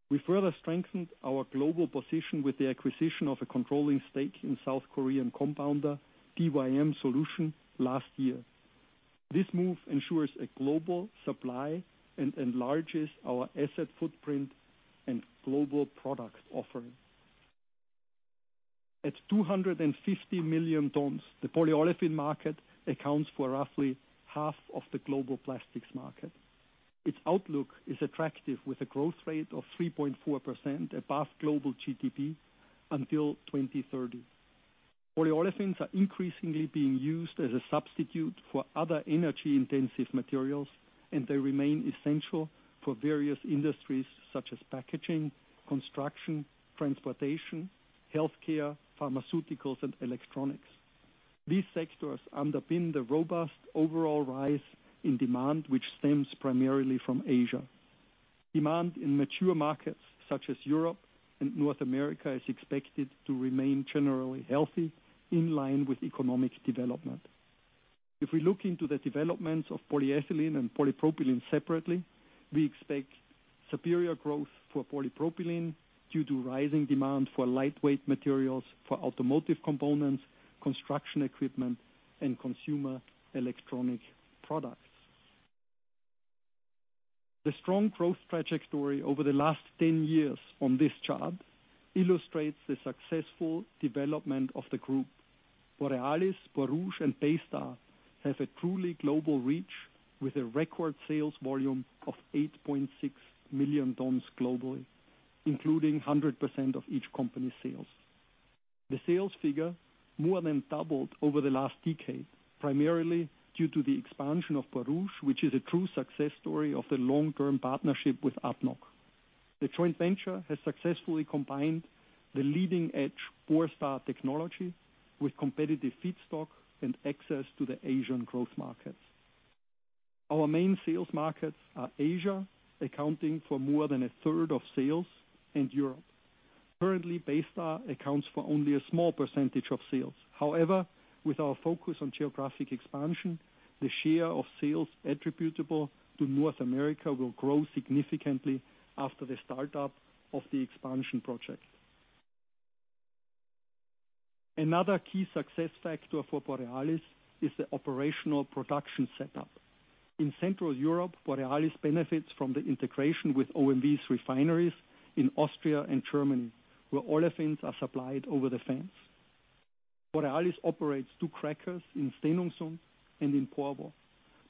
We further strengthened our global position with the acquisition of a controlling stake in South Korean compounder DYM Solution last year. This move ensures a global supply and enlarges our asset footprint and global product offering. At 250 million tons, the polyolefin market accounts for roughly half of the global plastics market. Its outlook is attractive, with a growth rate of 3.4% above global GDP until 2030. Polyolefins are increasingly being used as a substitute for other energy-intensive materials, and they remain essential for various industries such as packaging, construction, transportation, healthcare, pharmaceuticals, and electronics. These sectors underpin the robust overall rise in demand, which stems primarily from Asia. Demand in mature markets such as Europe and North America is expected to remain generally healthy, in line with economic development. If we look into the developments of polyethylene and polypropylene separately, we expect superior growth for polypropylene due to rising demand for lightweight materials for automotive components, construction equipment, and consumer electronic products. The strong growth trajectory over the last 10 years on this chart illustrates the successful development of the group. Borealis, Borouge, and Baystar have a truly global reach, with a record sales volume of 8.6 million tons globally, including 100% of each company's sales. The sales figure more than doubled over the last decade, primarily due to the expansion of Borouge, which is a true success story of the long-term partnership with ADNOC. The joint venture has successfully combined the leading-edge Borstar technology with competitive feedstock and access to the Asian growth markets. Our main sales markets are Asia, accounting for more than a third of sales, and Europe. Currently, Baystar accounts for only a small percentage of sales. With our focus on geographic expansion, the share of sales attributable to North America will grow significantly after the startup of the expansion project. Another key success factor for Borealis is the operational production setup. In Central Europe, Borealis benefits from the integration with OMV's refineries in Austria and Germany, where olefins are supplied over the fence. Borealis operates two crackers in Stenungsund and in Porvoo.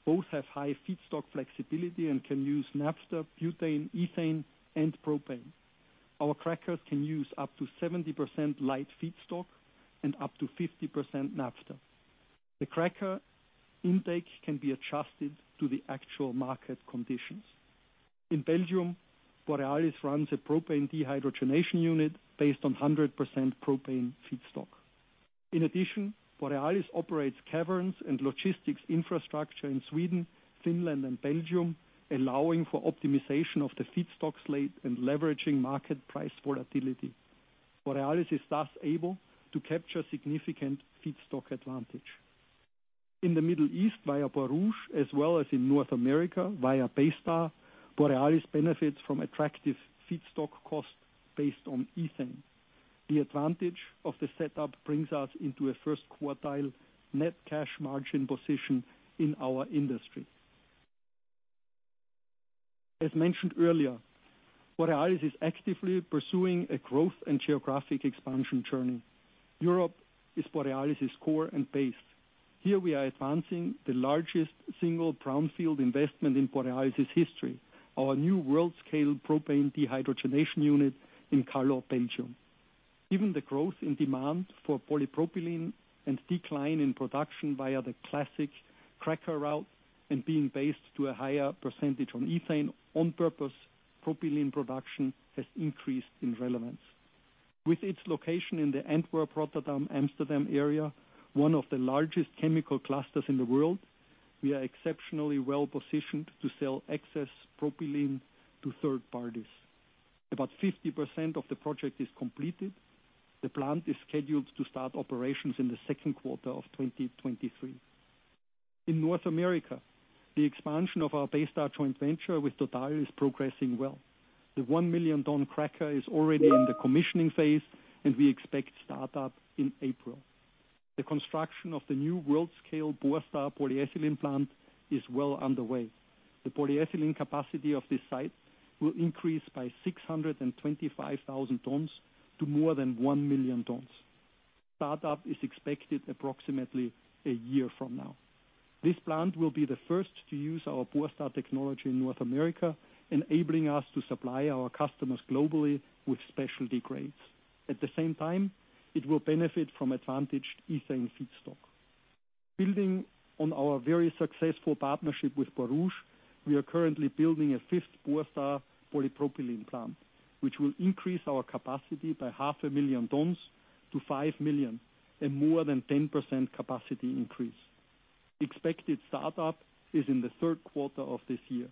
Both have high feedstock flexibility and can use naphtha, butane, ethane, and propane. Our crackers can use up to 70% light feedstock and up to 50% naphtha. The cracker intake can be adjusted to the actual market conditions. In Belgium, Borealis runs a propane dehydrogenation unit based on 100% propane feedstock. In addition, Borealis operates caverns and logistics infrastructure in Sweden, Finland and Belgium, allowing for optimization of the feedstock slate and leveraging market price volatility. Borealis is thus able to capture significant feedstock advantage. In the Middle East via Borouge, as well as in North America via Baystar, Borealis benefits from attractive feedstock costs based on ethane. The advantage of the setup brings us into a first quartile net cash margin position in our industry. As mentioned earlier, Borealis is actively pursuing a growth and geographic expansion journey. Europe is Borealis' core and base. Here we are advancing the largest single brownfield investment in Borealis' history, our new world-scale propane dehydrogenation unit in Kallo, Belgium. Given the growth in demand for polypropylene and decline in production via the classic cracker route and being based to a higher percentage on ethane on purpose, propylene production has increased in relevance. With its location in the Antwerp, Rotterdam, Amsterdam area, one of the largest chemical clusters in the world, we are exceptionally well-positioned to sell excess propylene to third parties. About 50% of the project is completed. The plant is scheduled to start operations in the second quarter of 2023. In North America, the expansion of our Baystar joint venture with Total is progressing well. The 1 million ton cracker is already in the commissioning phase and we expect startup in April. The construction of the new world-scale Borstar polyethylene plant is well underway. The polyethylene capacity of this site will increase by 625,000 tons to more than 1 million tons. Startup is expected approximately a year from now. This plant will be the first to use our Borstar technology in North America, enabling us to supply our customers globally with specialty grades. At the same time, it will benefit from advantaged ethane feedstock. Building on our very successful partnership with Borouge, we are currently building a fifth Borstar polypropylene plant, which will increase our capacity by half a million tons to 5 million and more than 10% capacity increase. Expected startup is in the third quarter of this year.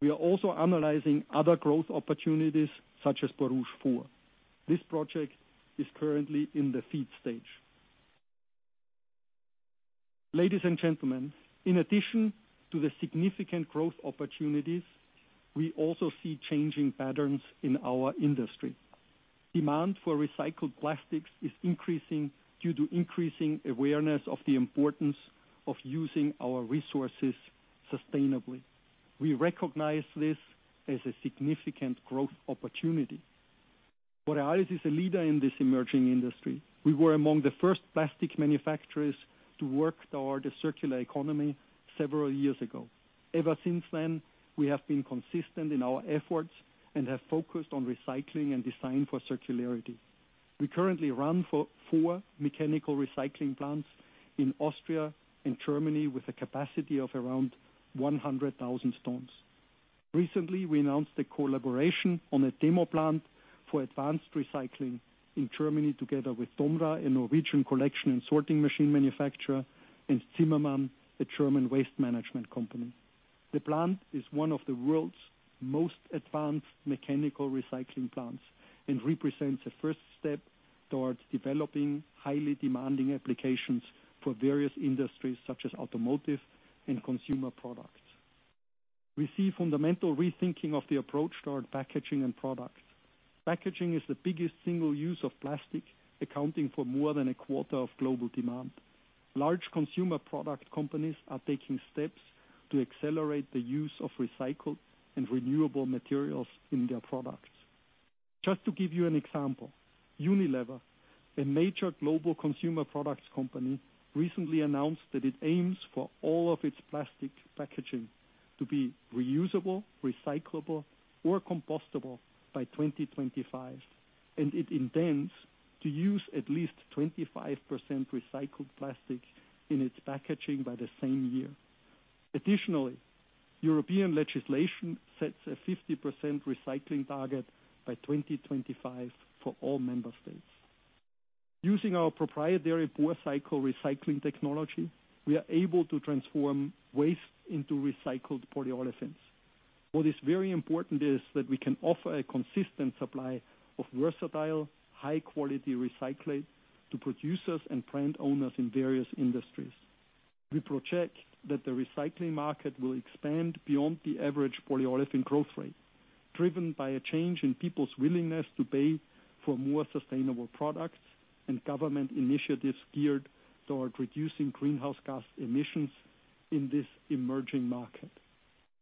We are also analyzing other growth opportunities such as Borouge 4. This project is currently in the FEED stage. Ladies and gentlemen, in addition to the significant growth opportunities, we also see changing patterns in our industry. Demand for recycled plastics is increasing due to increasing awareness of the importance of using our resources sustainably. We recognize this as a significant growth opportunity. Borealis is a leader in this emerging industry. We were among the first plastic manufacturers to work toward a circular economy several years ago. Ever since then, we have been consistent in our efforts and have focused on recycling and design for circularity. We currently run four mechanical recycling plants in Austria and Germany with a capacity of around 100,000 tons. Recently, we announced a collaboration on a demo plant for advanced recycling in Germany together with TOMRA, a Norwegian collection and sorting machine manufacturer, and Zimmermann, a German waste management company. The plant is one of the world's most advanced mechanical recycling plants and represents a first step towards developing highly demanding applications for various industries such as automotive and consumer products. We see fundamental rethinking of the approach toward packaging and products. Packaging is the biggest single use of plastic, accounting for more than a quarter of global demand. Large consumer product companies are taking steps to accelerate the use of recycled and renewable materials in their products. Just to give you an example, Unilever, a major global consumer products company, recently announced that it aims for all of its plastic packaging to be reusable, recyclable or compostable by 2025, and it intends to use at least 25% recycled plastic in its packaging by the same year. Additionally, European legislation sets a 50% recycling target by 2025 for all member states. Using our proprietary Borcycle recycling technology, we are able to transform waste into recycled polyolefins. What is very important is that we can offer a consistent supply of versatile, high-quality recyclate to producers and plant owners in various industries. We project that the recycling market will expand beyond the average polyolefin growth rate, driven by a change in people's willingness to pay for more sustainable products and government initiatives geared towards reducing greenhouse gas emissions in this emerging market.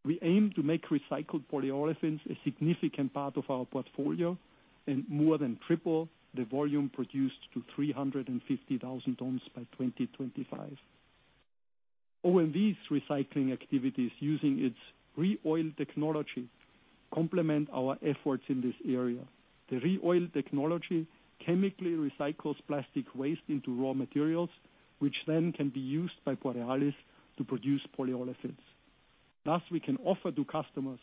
We aim to make recycled polyolefins a significant part of our portfolio and more than triple the volume produced to 350,000 tons by 2025. OMV's recycling activities using its ReOil technology complement our efforts in this area. The ReOil technology chemically recycles plastic waste into raw materials, which then can be used by Borealis to produce polyolefins. Thus, we can offer to customers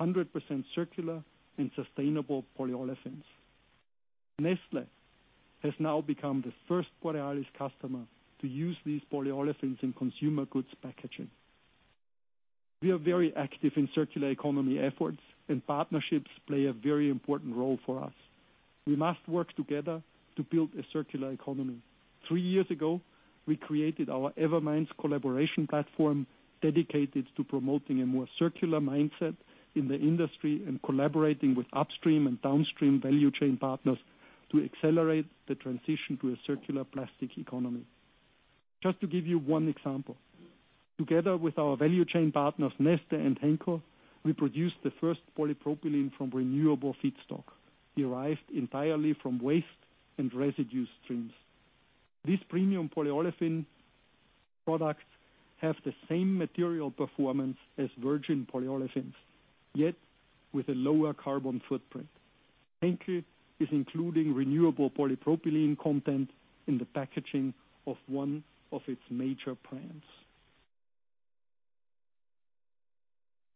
100% circular and sustainable polyolefins. Nestlé has now become the first Borealis customer to use these polyolefins in consumer goods packaging. We are very active in circular economy efforts, and partnerships play a very important role for us. We must work together to build a circular economy. Three years ago, we created our EverMinds collaboration platform, dedicated to promoting a more circular mindset in the industry and collaborating with upstream and downstream value chain partners to accelerate the transition to a circular plastic economy. Just to give you one example, together with our value chain partners, Nestlé and Henkel, we produced the first polypropylene from renewable feedstock, derived entirely from waste and residue streams. These premium polyolefin products have the same material performance as virgin polyolefins, yet with a lower carbon footprint. Henkel is including renewable polypropylene content in the packaging of one of its major brands.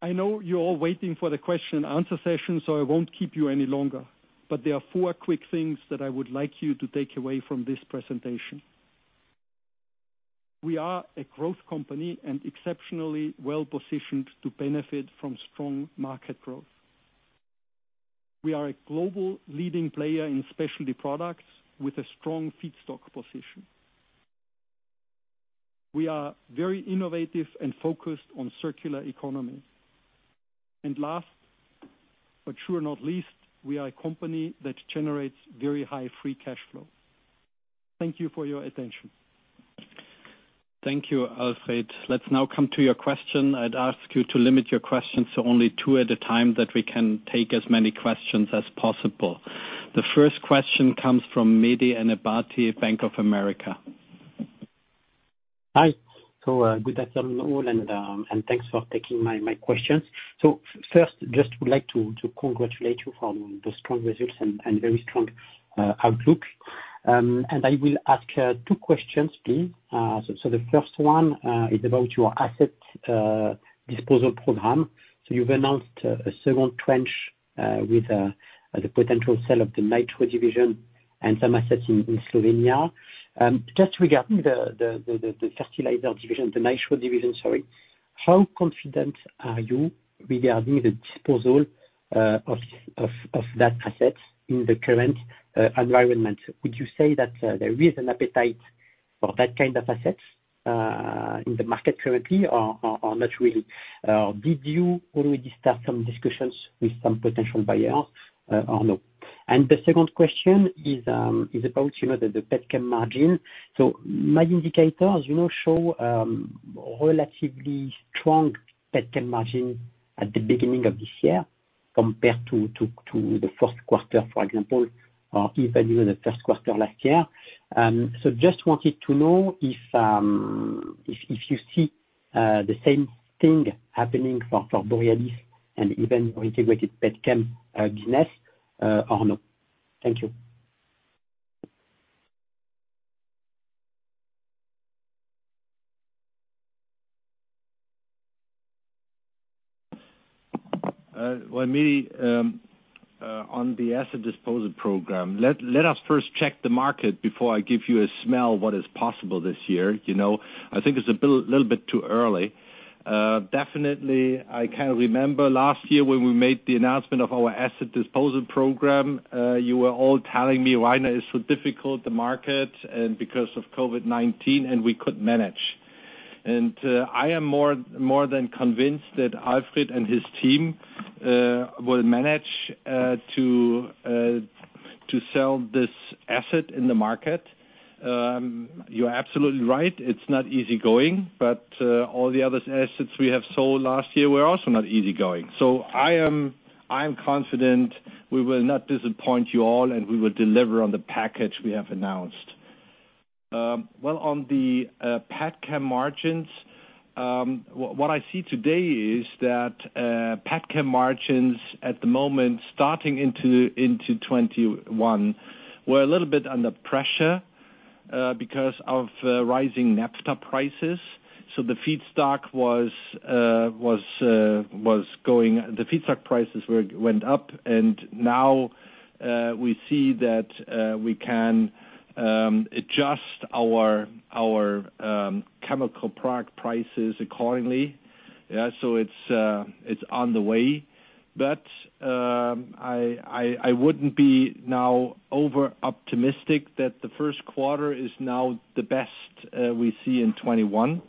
I know you're all waiting for the question and answer session, so I won't keep you any longer, but there are four quick things that I would like you to take away from this presentation. We are a growth company and exceptionally well-positioned to benefit from strong market growth. We are a global leading player in specialty products with a strong feedstock position. We are very innovative and focused on circular economy. Last but sure not least, we are a company that generates very high free cash flow. Thank you for your attention. Thank you, Alfred. Let's now come to your question. I'd ask you to limit your questions to only two at a time, that we can take as many questions as possible. The first question comes from Mehdi Ennebati, Bank of America. Hi. good afternoon all, and thanks for taking my questions. First, just would like to congratulate you on the strong results and very strong outlook. I will ask two questions, please. The first one is about your asset disposal program. You've announced a second trench with the potential sale of the Nitro division and some assets in Slovenia. Just regarding the fertilizer division, the Nitro division, sorry, how confident are you regarding the disposal of that asset in the current environment? Would you say that there is an appetite for that kind of asset in the market currently or not really? Did you already start some discussions with some potential buyers or no? The second question is about the pet chem margin. My indicators show relatively strong pet chem margin at the beginning of this year compared to the fourth quarter, for example, or even the first quarter last year. Just wanted to know if you see the same thing happening for Borealis and even your integrated pet chem business or no. Thank you. Well, Mehdi, on the asset disposal program, let us first check the market before I give you a smell what is possible this year. I think it's a little bit too early. Definitely, I can remember last year when we made the announcement of our asset disposal program, you were all telling me why now it's so difficult, the market, and because of COVID-19, and we could manage. I am more than convinced that Alfred and his team will manage to sell this asset in the market. You're absolutely right, it's not easy going. All the other assets we have sold last year were also not easy going. I am confident we will not disappoint you all, and we will deliver on the package we have announced. Well, on the pet chem margins, what I see today is that pet chem margins at the moment, starting into 2021, were a little bit under pressure because of rising naphtha prices. The feedstock prices went up, and now we see that we can adjust our chemical product prices accordingly. Yeah, it's on the way. I wouldn't be now over-optimistic that the first quarter is now the best we see in 2021.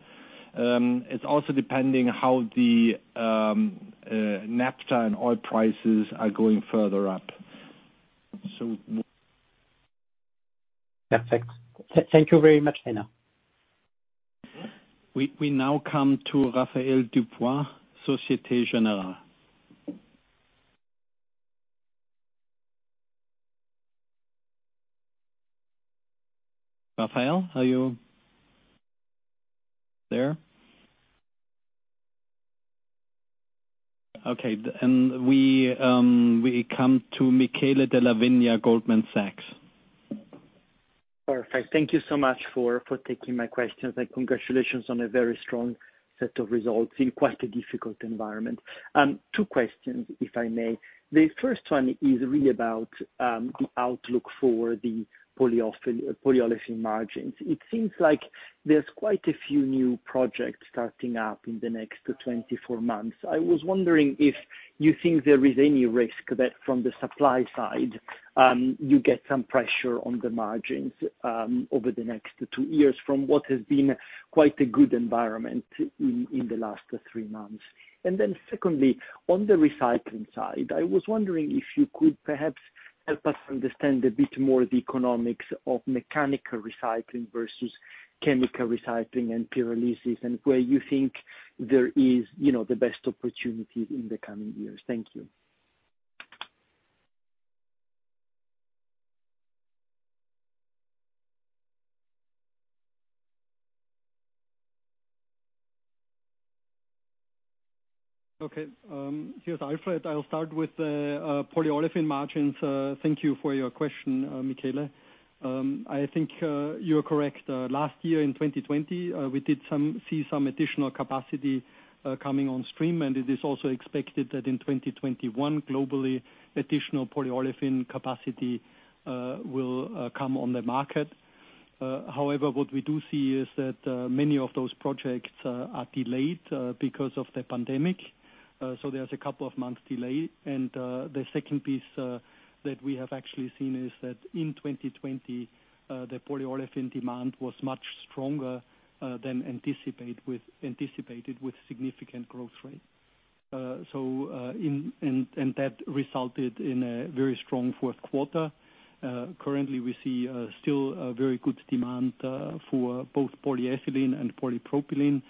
It's also depending how the naphtha and oil prices are going further up. Yeah, thanks. Thank you very much, Rainer. We now come to Raphaël Dubois, Société Générale. Raphael, are you there? Okay, we come to Michele Della Vigna, Goldman Sachs. Perfect. Thank you so much for taking my questions, congratulations on a very strong set of results in quite a difficult environment. Two questions, if I may. The first one is really about outlook for the polyolefin margins. It seems like there's quite a few new projects starting up in the next 24 months. I was wondering if you think there is any risk that from the supply side, you get some pressure on the margins over the next two years from what has been quite a good environment in the last three months. Secondly, on the recycling side, I was wondering if you could perhaps help us understand a bit more the economics of mechanical recycling versus chemical recycling and pyrolysis, where you think there is the best opportunity in the coming years. Thank you. Okay. Here's Alfred. I'll start with the polyolefin margins. Thank you for your question, Michele. I think you are correct. Last year in 2020, we did see some additional capacity coming on stream, and it is also expected that in 2021, globally, additional polyolefin capacity will come on the market. However, what we do see is that many of those projects are delayed because of the pandemic. There is a couple of months delay. The second piece that we have actually seen is that in 2020, the polyolefin demand was much stronger than anticipated with significant growth rate. That resulted in a very strong fourth quarter. Currently, we see still a very good demand for both polyethylene and polypropylene.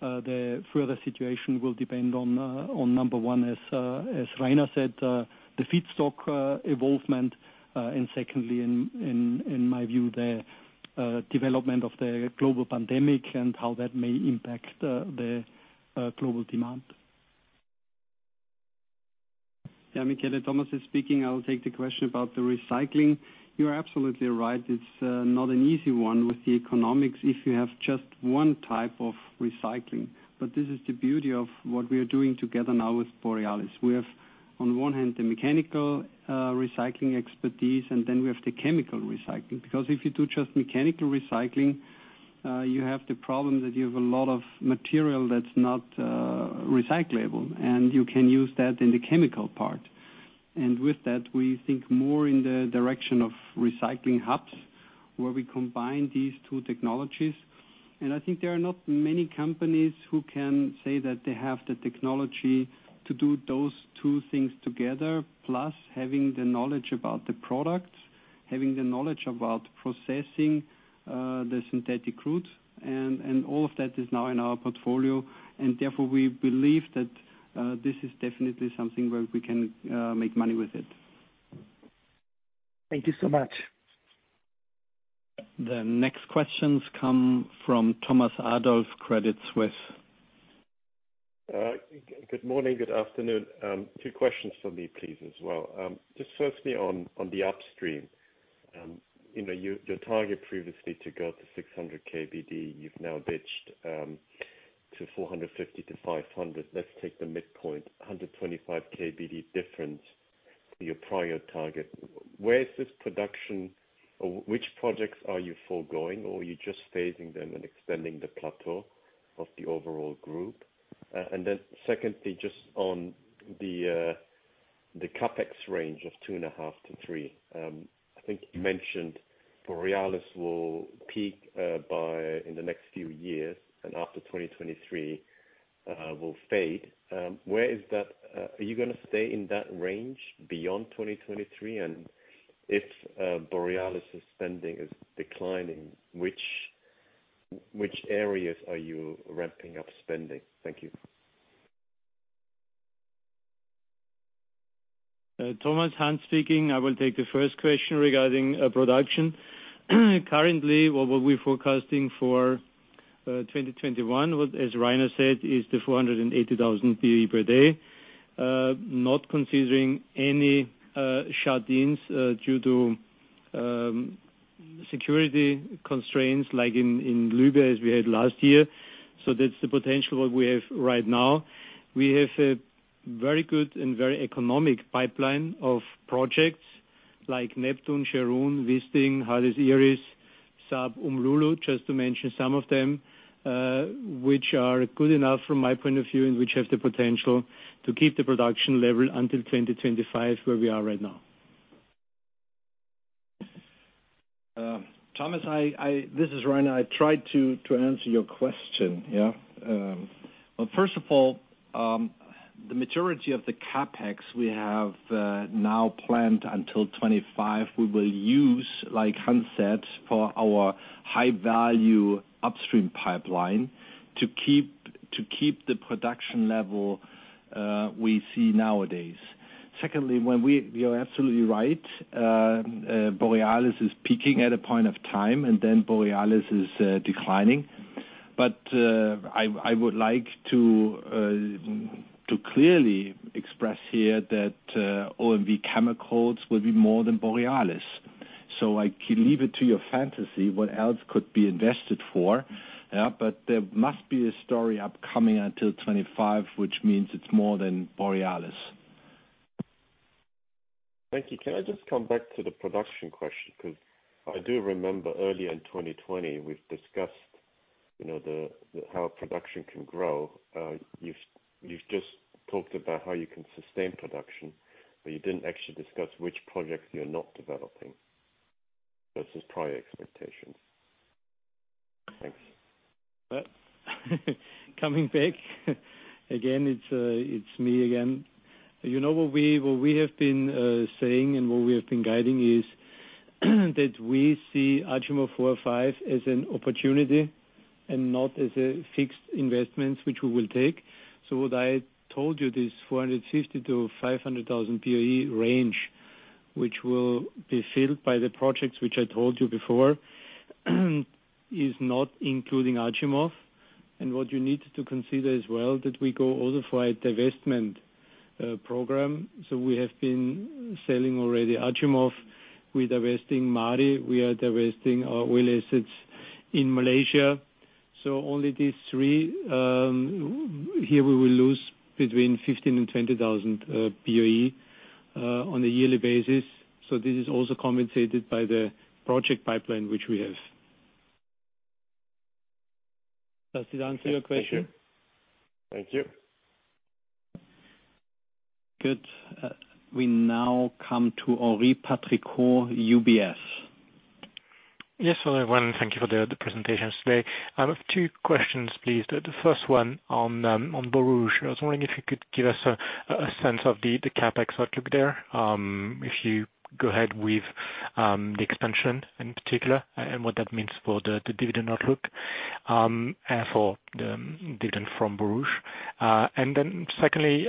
The further situation will depend on, number one, as Rainer said, the feedstock involvement, and secondly, in my view, the development of the global pandemic and how that may impact the global demand. Yeah, Michele, Thomas is speaking. I will take the question about the recycling. You're absolutely right. It's not an easy one with the economics if you have just one type of recycling. This is the beauty of what we are doing together now with Borealis. We have, on one hand, the mechanical recycling expertise, and then we have the chemical recycling, because if you do just mechanical recycling, you have the problem that you have a lot of material that's not recyclable, and you can use that in the chemical part. With that, we think more in the direction of recycling hubs, where we combine these two technologies. I think there are not many companies who can say that they have the technology to do those two things together, plus having the knowledge about the products, having the knowledge about processing the synthetic routes, and all of that is now in our portfolio. Therefore, we believe that this is definitely something where we can make money with it. Thank you so much. The next questions come from Thomas Adolff, Credit Suisse. Good morning, good afternoon. Two questions from me, please, as well. Firstly on the upstream. Your target previously to go to 600 kbd, you've now ditched to 450-500. Let's take the midpoint, 125 kbd difference to your prior target. Where is this production? Which projects are you forgoing, or are you just phasing them and extending the plateau of the overall group? Secondly, just on the CapEx range of 2.5-3. I think you mentioned Borealis will peak in the next few years, and after 2023 will fade. Are you going to stay in that range beyond 2023? If Borealis' spending is declining, which areas are you ramping up spending? Thank you. Thomas, Hans speaking. I will take the first question regarding production. Currently, what we're forecasting for 2021, as Rainer said, is the 480,000 barrel per day. Not considering any shut-ins due to security constraints like in Libya as we had last year. That's the potential that we have right now. We have a very good and very economic pipeline of projects like Neptun, Jerun, Wisting, Hades, Iris, SARB, Umm Lulu, just to mention some of them, which are good enough from my point of view, and which have the potential to keep the production level until 2025, where we are right now. Thomas, this is Reinhard. I tried to answer your question. First of all, the majority of the CapEx we have now planned until 2025, we will use, like Hans said, for our high-value upstream pipeline to keep the production level we see nowadays. Secondly, you're absolutely right. Borealis is peaking at a point of time, and then Borealis is declining. I would like to clearly express here that OMV Chemicals will be more than Borealis. I can leave it to your fantasy what else could be invested for. There must be a story upcoming until 2025, which means it's more than Borealis. Thank you. Can I just come back to the production question? I do remember earlier in 2020, we've discussed how production can grow. You've just talked about how you can sustain production, but you didn't actually discuss which projects you're not developing versus prior expectations. Thanks. Coming back. It's me again. What we have been saying and what we have been guiding is that we see Achimov 4/5 as an opportunity and not as a fixed investment which we will take. What I told you, this 450,000 BOE-500,000 BOE range, which will be filled by the projects which I told you before, is not including Achimov. What you need to consider as well, that we go also for a divestment program. We have been selling already Achimov. We are divesting Maari. We are divesting our oil assets in Malaysia. Only these three, here we will lose between 15,000 and 20,000 BOE on a yearly basis. This is also compensated by the project pipeline which we have. Does this answer your question? Thank you. Good. We now come to Henri Patricot, UBS. Yes. Hello, everyone. Thank you for the presentations today. I have two questions, please. The first one on Borouge. I was wondering if you could give us a sense of the CapEx outlook there, if you go ahead with the expansion in particular, and what that means for the dividend outlook for the dividend from Borouge. Secondly,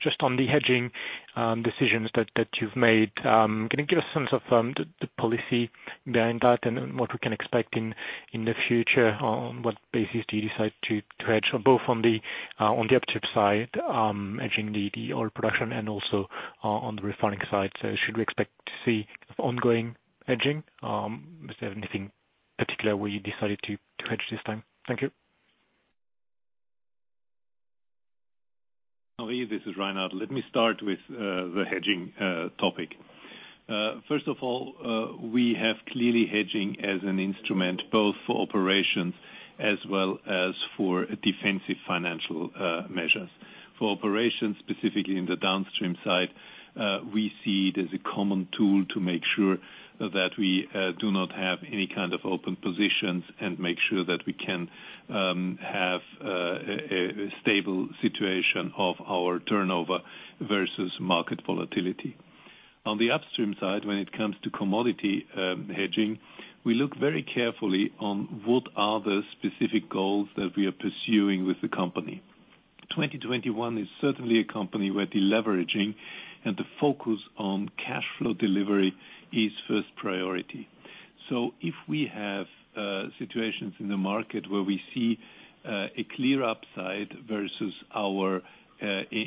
just on the hedging decisions that you've made, can you give a sense of the policy behind that and what we can expect in the future? On what basis do you decide to hedge on both on the upstream side, hedging the oil production and also on the refining side? Should we expect to see ongoing hedging? Is there anything particular where you decided to hedge this time? Thank you. Henri, this is Reinhard. Let me start with the hedging topic. First of all, we have clearly hedging as an instrument, both for operations as well as for defensive financial measures. For operations, specifically in the downstream side, we see it as a common tool to make sure that we do not have any kind of open positions and make sure that we can have a stable situation of our turnover versus market volatility. On the upstream side, when it comes to commodity hedging, we look very carefully on what are the specific goals that we are pursuing with the company. 2021 is certainly a company we're deleveraging, and the focus on cash flow delivery is first priority. If we have situations in the market where we see a clear upside versus our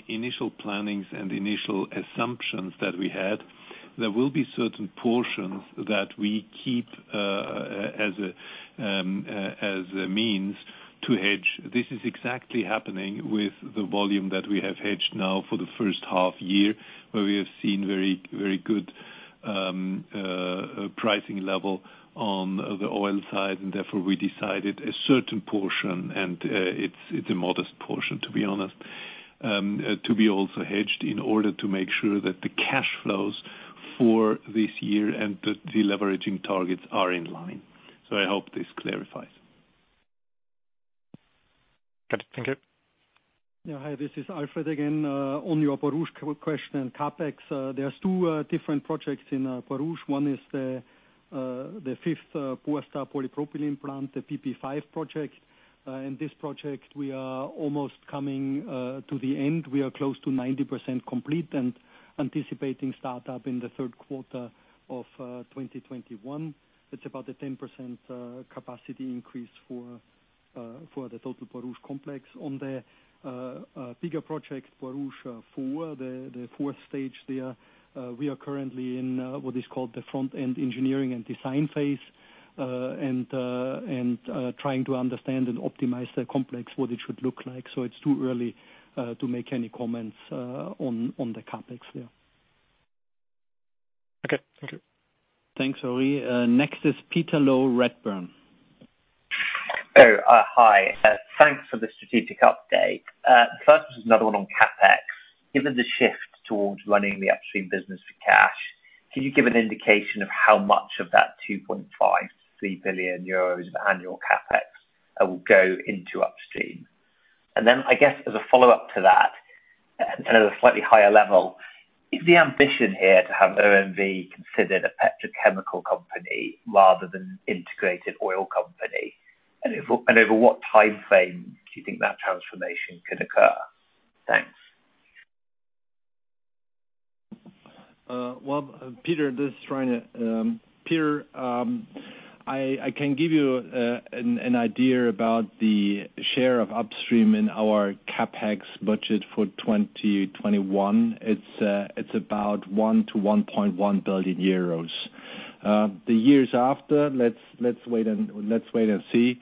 initial plannings and initial assumptions that we had, there will be certain portions that we keep as a means to hedge. This is exactly happening with the volume that we have hedged now for the first half year, where we have seen very good pricing level on the oil side, and therefore we decided a certain portion, and it's a modest portion, to be honest, to be also hedged in order to make sure that the cash flows for this year and the deleveraging targets are in line. I hope this clarifies. Good. Thank you. Yeah. Hi, this is Alfred again. On your Borouge question and CapEx, there's two different projects in Borouge. One is the fifth Borstar polypropylene plant, the PP5 project. In this project, we are almost coming to the end. We are close to 90% complete and anticipating startup in the third quarter of 2021. It's about a 10% capacity increase for the total Borouge complex. On the bigger project, Borouge 4, the fourth stage there, we are currently in what is called the front-end engineering and design phase, and trying to understand and optimize the complex, what it should look like. It's too early to make any comments on the CapEx there. Okay. Thank you. Thanks, Henri. Next is Peter Low, Redburn. Hi. Thanks for the strategic update. Just another one on CapEx. Given the shift towards running the upstream business for cash, can you give an indication of how much of that 2.5 billion-3 billion euros of annual CapEx will go into upstream? I guess, as a follow-up to that, at a slightly higher level, is the ambition here to have OMV considered a petrochemical company rather than an integrated oil company? Over what time frame do you think that transformation can occur? Thanks. Well, Peter, this is Rainer. Peter, I can give you an idea about the share of upstream in our CapEx budget for 2021. It's about 1 billion-1.1 billion euros. The years after, let's wait and see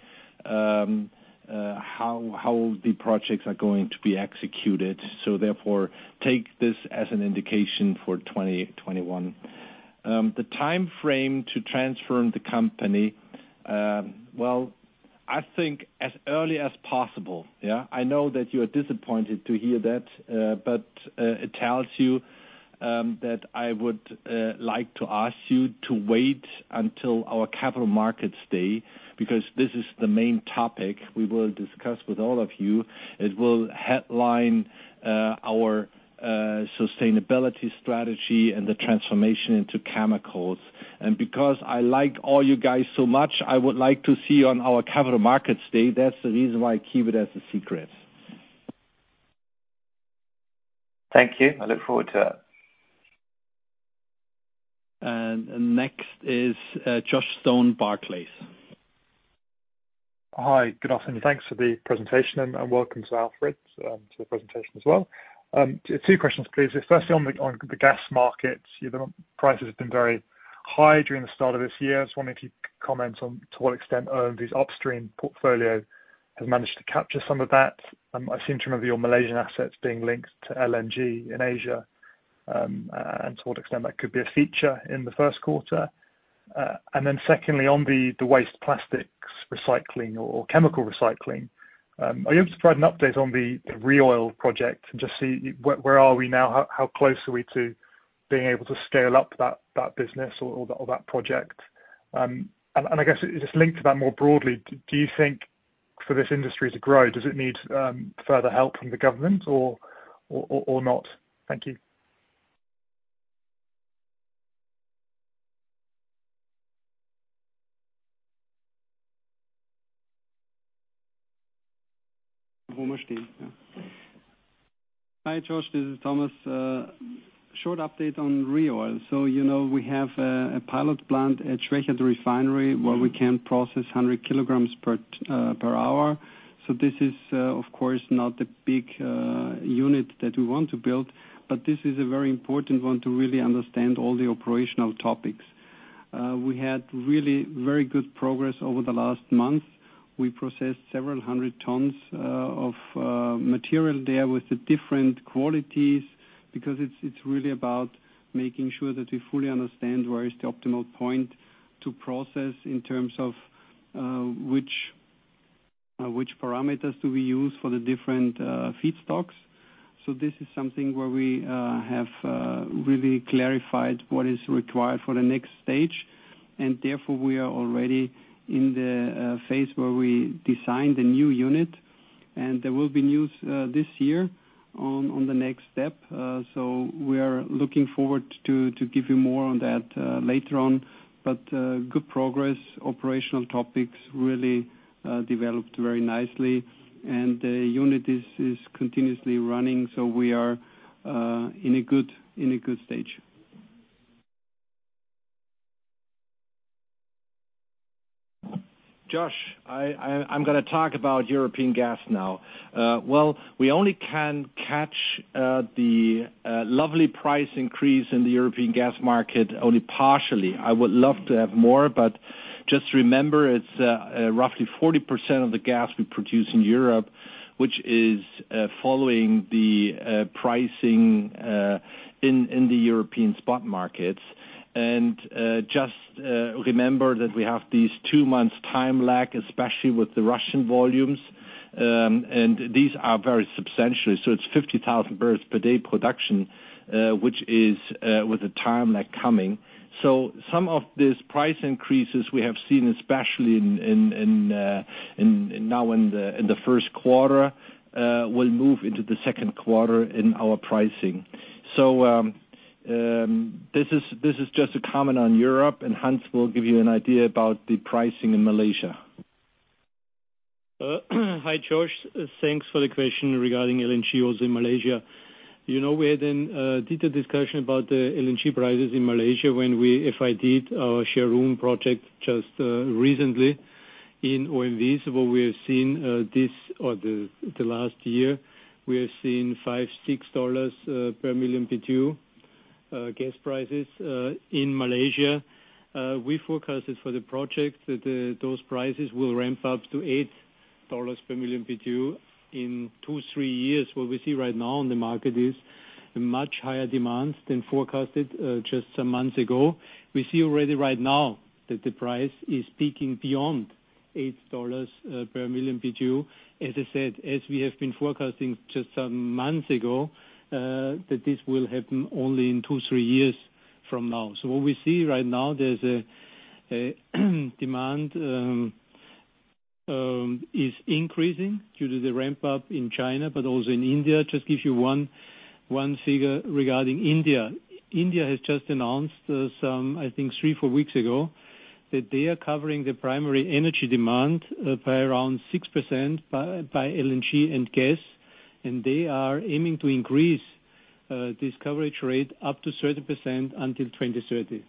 how the projects are going to be executed. Therefore, take this as an indication for 2021. The timeframe to transform the company. Well, I think as early as possible, yeah. I know that you are disappointed to hear that, but it tells you that I would like to ask you to wait until our Capital Markets Day, because this is the main topic we will discuss with all of you. It will headline our sustainability strategy and the transformation into chemicals. Because I like all you guys so much, I would like to see you on our Capital Markets Day. That's the reason why I keep it as a secret. Thank you. I look forward to it. Next is Josh Stone, Barclays. Hi, good afternoon. Thanks for the presentation, and welcome to Alfred to the presentation as well. Two questions, please. On the gas markets, prices have been very high during the start of this year. I was wondering if you could comment on to what extent OMV's upstream portfolio has managed to capture some of that. I seem to remember your Malaysian assets being linked to LNG in Asia, to what extent that could be a feature in the first quarter. Secondly, on the waste plastics recycling or chemical recycling, are you able to provide an update on the ReOil project and just see where are we now? How close are we to being able to scale up that business or that project? I guess, just linked to that more broadly, do you think for this industry to grow, does it need further help from the government or not? Thank you. Thomas. Hi, Josh. This is Thomas. A short update on ReOil. You know, we have a pilot plant at Schwechat Refinery where we can process 100 kg/h This is, of course, not the big unit that we want to build, but this is a very important one to really understand all the operational topics. We had really very good progress over the last month. We processed several hundred tons of material there with the different qualities, because it's really about making sure that we fully understand where is the optimal point to process in terms of which parameters do we use for the different feedstocks. This is something where we have really clarified what is required for the next stage, and therefore, we are already in the phase where we design the new unit, and there will be news this year on the next step. We are looking forward to give you more on that later on. Good progress, operational topics really developed very nicely, and the unit is continuously running, so we are in a good stage. Josh, I'm going to talk about European gas now. Well, we only can catch the lovely price increase in the European gas market only partially. I would love to have more, but just remember, it's roughly 40% of the gas we produce in Europe, which is following the pricing in the European spot markets. Just remember that we have these two months time lag, especially with the Russian volumes. These are very substantial. It's 50,000 barrels per day production, which is with the time lag coming. Some of these price increases we have seen, especially now in the first quarter, will move into the second quarter in our pricing. This is just a comment on Europe, and Hans will give you an idea about the pricing in Malaysia. Hi, Josh. Thanks for the question regarding LNG also in Malaysia. We had a detailed discussion about the LNG prices in Malaysia when FID did our Jerun project just recently. In OMV, what we have seen this or the last year, we have seen $5, $6 per million BTU gas prices in Malaysia. We forecasted for the project that those prices will ramp up to $8 per million BTU in two, three years. What we see right now in the market is a much higher demand than forecasted just some months ago. We see already right now that the price is peaking beyond $8 per million BTU. As I said, as we have been forecasting just some months ago, that this will happen only in two, three years from now. What we see right now, demand is increasing due to the ramp up in China, but also in India. Just give you one figure regarding India. India has just announced some, I think three, four weeks ago, that they are covering the primary energy demand by around 6% by LNG and gas. They are aiming to increase this coverage rate up to 30% until 2030.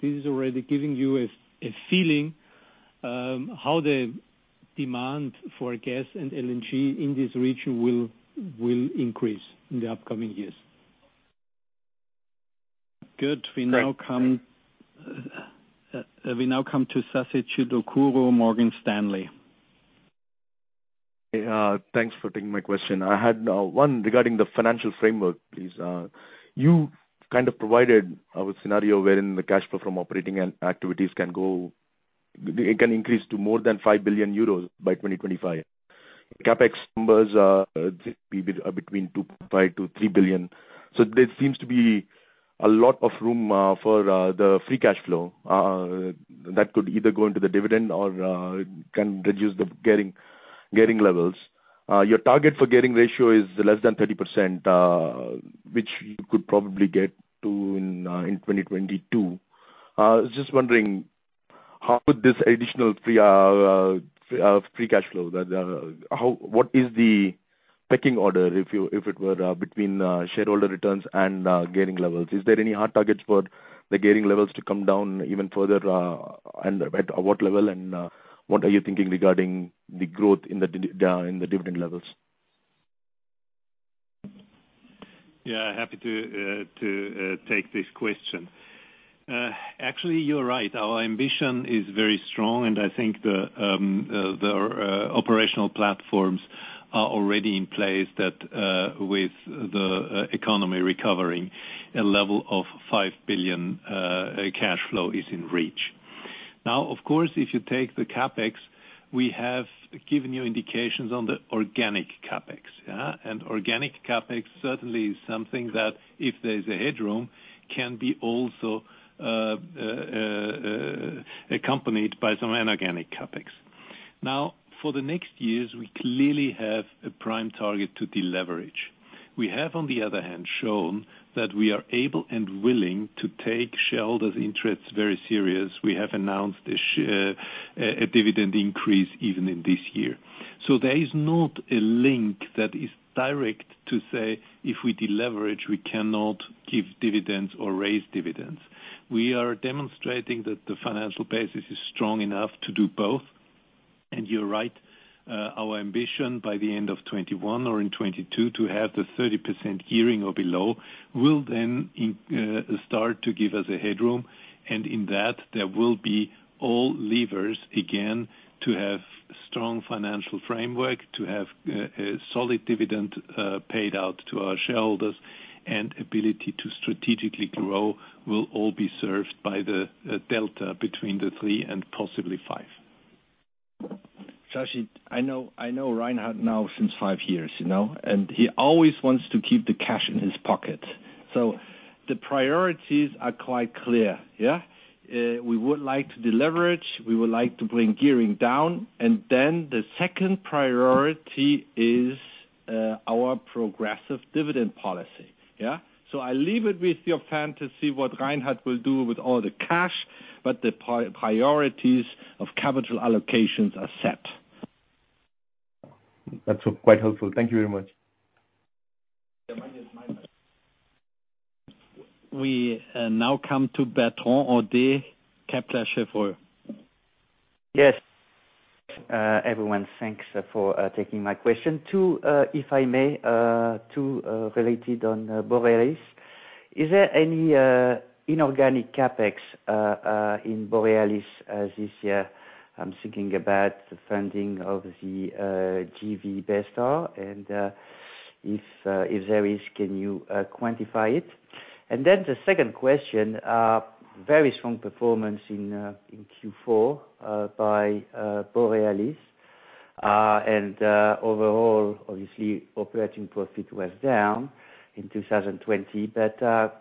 This is already giving you a feeling how the demand for gas and LNG in this region will increase in the upcoming years. Good. We now come to Sasi Chilukuru, Morgan Stanley. Thanks for taking my question. I had one regarding the financial framework, please. You kind of provided a scenario wherein the cash flow from operating and activities can increase to more than 5 billion euros by 2025. CapEx numbers are between 2.5 billion-3 billion. There seems to be a lot of room for the free cash flow, that could either go into the dividend or can reduce the gearing levels. Your target for gearing ratio is less than 30%, which you could probably get to in 2022. I was just wondering how this additional free cash flow, what is the pecking order, if it were between shareholder returns and gearing levels? Is there any hard targets for the gearing levels to come down even further, and at what level? What are you thinking regarding the growth in the dividend levels? Yeah. Happy to take this question. Actually, you're right. Our ambition is very strong, and I think the operational platforms are already in place that with the economy recovering, a level of 5 billion cash flow is in reach. Of course, if you take the CapEx, we have given you indications on the organic CapEx. Organic CapEx certainly is something that if there's a headroom, can be also accompanied by some inorganic CapEx. For the next years, we clearly have a prime target to deleverage. We have, on the other hand, shown that we are able and willing to take shareholders' interests very serious. We have announced a dividend increase even in this year. There is not a link that is direct to say if we deleverage, we cannot give dividends or raise dividends. We are demonstrating that the financial basis is strong enough to do both. You're right, our ambition by the end of 2021 or in 2022 to have the 30% gearing or below, will then start to give us a headroom, and in that there will be all levers again to have strong financial framework, to have a solid dividend paid out to our shareholders, and ability to strategically grow will all be served by the delta between the three and possibly five. Sasi I know Reinhard now since five years. He always wants to keep the cash in his pocket. The priorities are quite clear. We would like to deleverage, we would like to bring gearing down. The second priority is our progressive dividend policy. I leave it with your fantasy what Reinhard will do with all the cash, but the priorities of capital allocations are set. That's quite helpful. Thank you very much. We now come to Bertrand Hodée, Kepler Cheuvreux. Yes. Everyone, thanks for taking my question. Two, if I may, two related on Borealis. Is there any inorganic CapEx in Borealis this year? I'm thinking about the funding of the JV Baystar. If there is, can you quantify it? The second question, very strong performance in Q4 by Borealis. Overall, obviously, operating profit was down in 2020.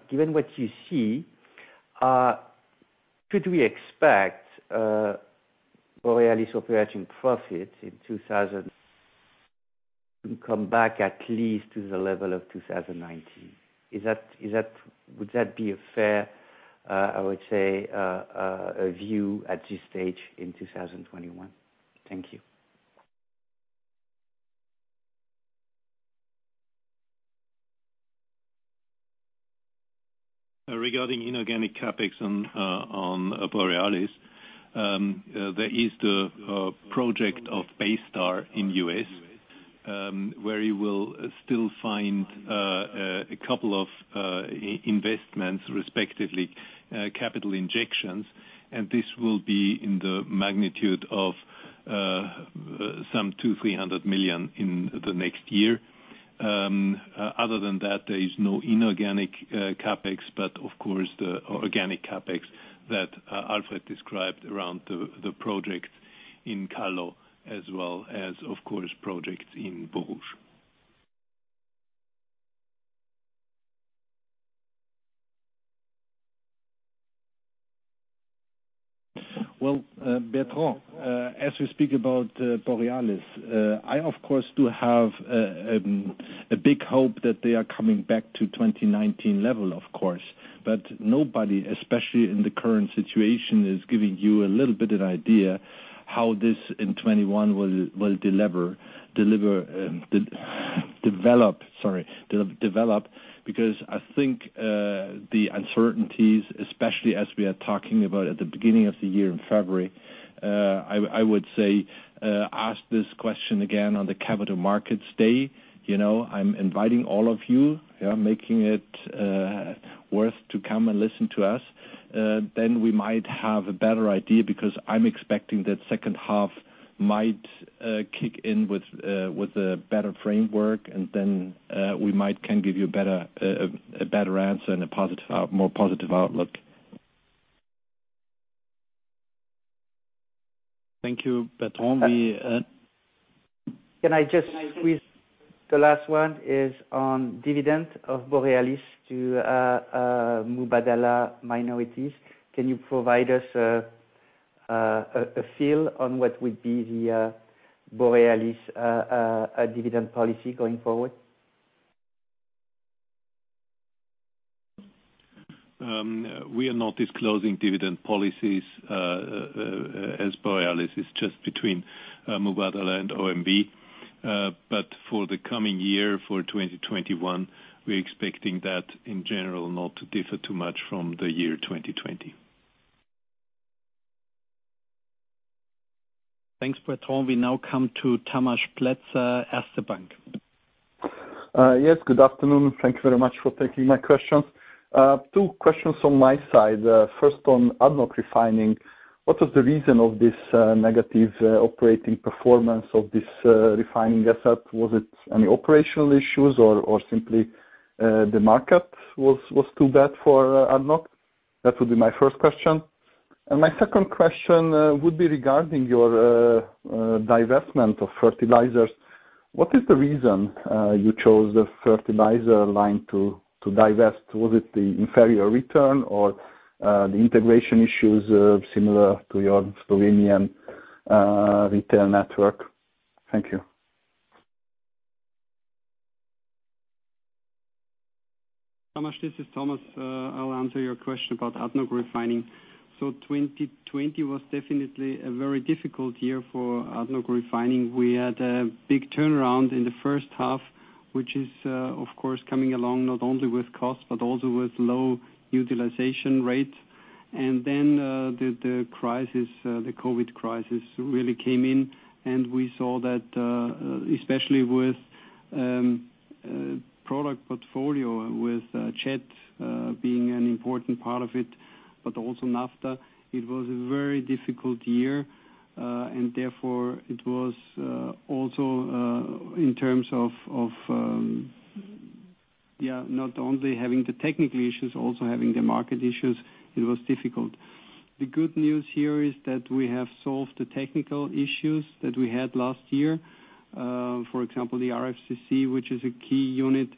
Given what you see, could we expect Borealis operating profit in 2021 to come back at least to the level of 2019? Would that be a fair, I would say, view at this stage in 2021? Thank you. Regarding inorganic CapEx on Borealis, there is the project of Baystar in U.S. Where you will still find a couple of investments, respectively, capital injections, this will be in the magnitude of some 200 million, 300 million in the next year. Other than that, there is no inorganic CapEx, of course, the organic CapEx that Alfred described around the project in Kallo as well as, of course, projects in Borouge. Well, Bertrand, as we speak about Borealis, I, of course, do have a big hope that they are coming back to 2019 level, of course. Nobody, especially in the current situation, is giving you a little bit of idea how this in 2021 will develop, because I think the uncertainties, especially as we are talking about at the beginning of the year in February, I would say, ask this question again on the Capital Markets Day. I'm inviting all of you, making it worth to come and listen to us. We might have a better idea because I'm expecting that second half might kick in with a better framework, and then we might can give you a better answer and a more positive outlook. Thank you, Bertrand. Can I just squeeze? The last one is on dividend of Borealis to Mubadala minorities. Can you provide us a feel on what would be the Borealis dividend policy going forward? We are not disclosing dividend policies as Borealis. It's just between Mubadala and OMV. For the coming year, for 2021, we're expecting that in general, not to differ too much from the year 2020. Thanks, Bertrand. We now come to Tamás Pletser, Erste Bank. Yes, good afternoon. Thank you very much for taking my questions. Two questions on my side. First on ADNOC Refining. What was the reason of this negative operating performance of this refining asset? Was it any operational issues or simply the market was too bad for ADNOC? That would be my first question. My second question would be regarding your divestment of fertilizers. What is the reason you chose the fertilizer line to divest? Was it the inferior return or the integration issues similar to your Slovenian retail network? Thank you. Tamás, this is Thomas. I'll answer your question about ADNOC Refining. 2020 was definitely a very difficult year for ADNOC Refining. We had a big turnaround in the first half, which is, of course, coming along not only with cost, but also with low utilization rate. The COVID-19 crisis really came in, and we saw that especially with product portfolio, with jet being an important part of it, but also naphtha, it was a very difficult year. Therefore, it was also in terms of not only having the technical issues, also having the market issues, it was difficult. The good news here is that we have solved the technical issues that we had last year. For example, the RFCC, which is a key unit,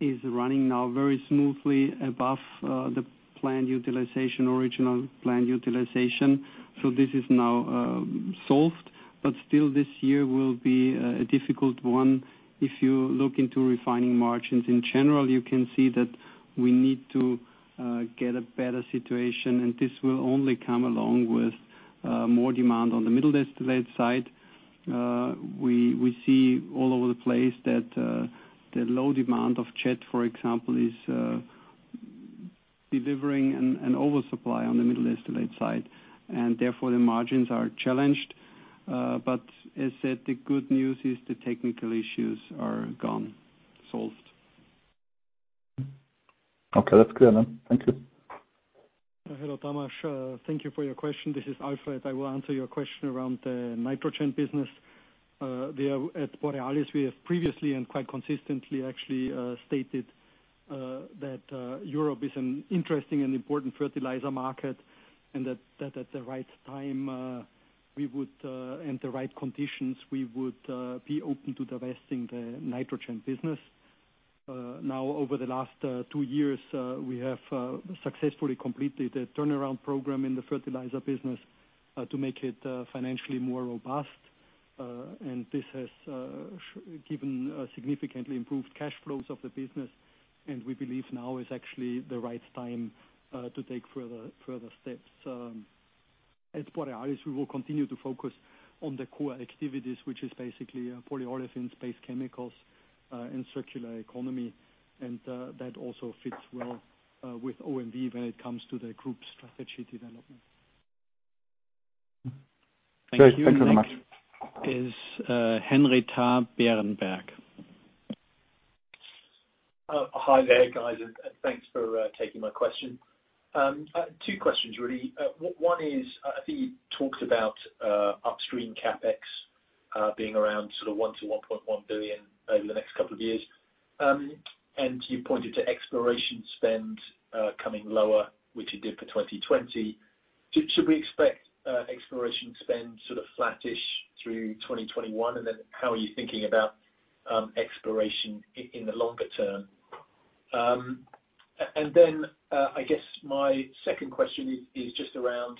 is running now very smoothly above the planned utilization, original planned utilization. This is now solved, but still this year will be a difficult one. If you look into refining margins in general, you can see that we need to get a better situation, and this will only come along with more demand on the middle distillate side. We see all over the place that the low demand of jet, for example, is delivering an oversupply on the middle distillate side, and therefore the margins are challenged. As said, the good news is the technical issues are gone, solved. Okay, that's clear then. Thank you. Hello, Tamás. Thank you for your question. This is Alfred. I will answer your question around the nitrogen business. There at Borealis, we have previously and quite consistently actually stated that Europe is an interesting and important fertilizer market and that at the right time and the right conditions, we would be open to divesting the nitrogen business. Over the last two years, we have successfully completed the turnaround program in the fertilizer business to make it financially more robust. This has given significantly improved cash flows of the business, and we believe now is actually the right time to take further steps. At Borealis, we will continue to focus on the core activities, which is basically polyolefins-based chemicals and circular economy, and that also fits well with OMV when it comes to the group strategy development. Thank you. Thanks so much. Next is Henry Tarr, Berenberg. Hi there, guys, and thanks for taking my question. Two questions really. One is, I think you talked about upstream CapEx being around sort of 1 billion-1.1 billion over the next couple of years. You pointed to exploration spend coming lower, which you did for 2020. Should we expect exploration spend sort of flattish through 2021? How are you thinking about exploration in the longer term? I guess my second question is just around,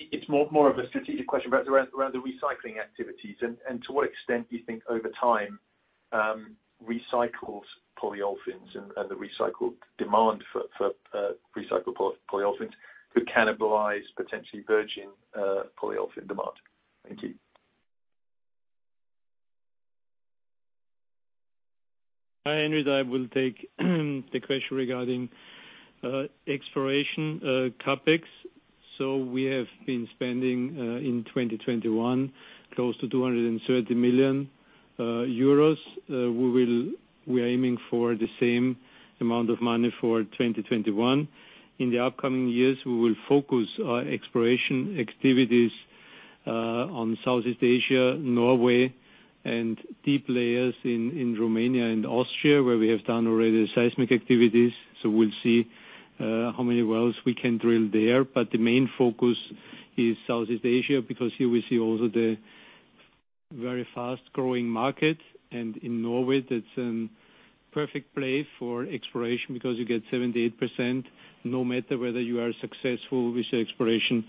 it's more of a strategic question, but around the recycling activities and to what extent do you think over time, recycled polyolefins and the recycled demand for recycled polyolefins could cannibalize potentially virgin polyolefin demand? Thank you. Hi, Henry. I will take the question regarding exploration CapEx. We have been spending in 2021 close to 230 million euros. We are aiming for the same amount of money for 2021. In the upcoming years, we will focus our exploration activities on Southeast Asia, Norway, and deep layers in Romania and Austria, where we have done already seismic activities. We'll see how many wells we can drill there. The main focus is Southeast Asia, because here we see also the very fast-growing market. In Norway, that's an perfect place for exploration because you get 78%, no matter whether you are successful with the exploration,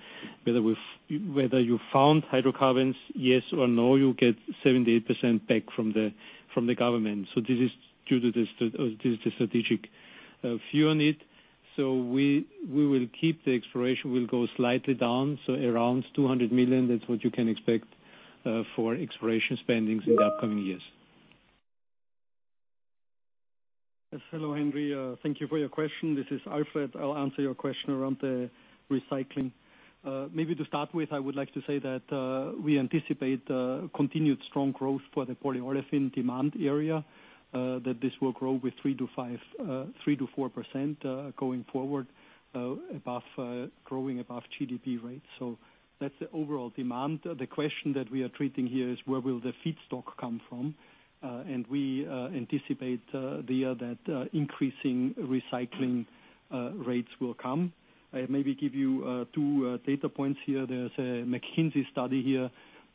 whether you found hydrocarbons, yes or no, you get 78% back from the government. This is due to the strategic view on it. We will keep the exploration. We'll go slightly down, so around 200 million. That's what you can expect for exploration spendings in the upcoming years. Yes. Hello, Henry. Thank you for your question. This is Alfred. I'll answer your question around the recycling. Maybe to start with, I would like to say that, we anticipate continued strong growth for the polyolefin demand area, that this will grow with 3%-4% going forward, growing above GDP rates. That's the overall demand. The question that we are treating here is, where will the feedstock come from? We anticipate there that increasing recycling rates will come. I maybe give you two data points here. There's a McKinsey study here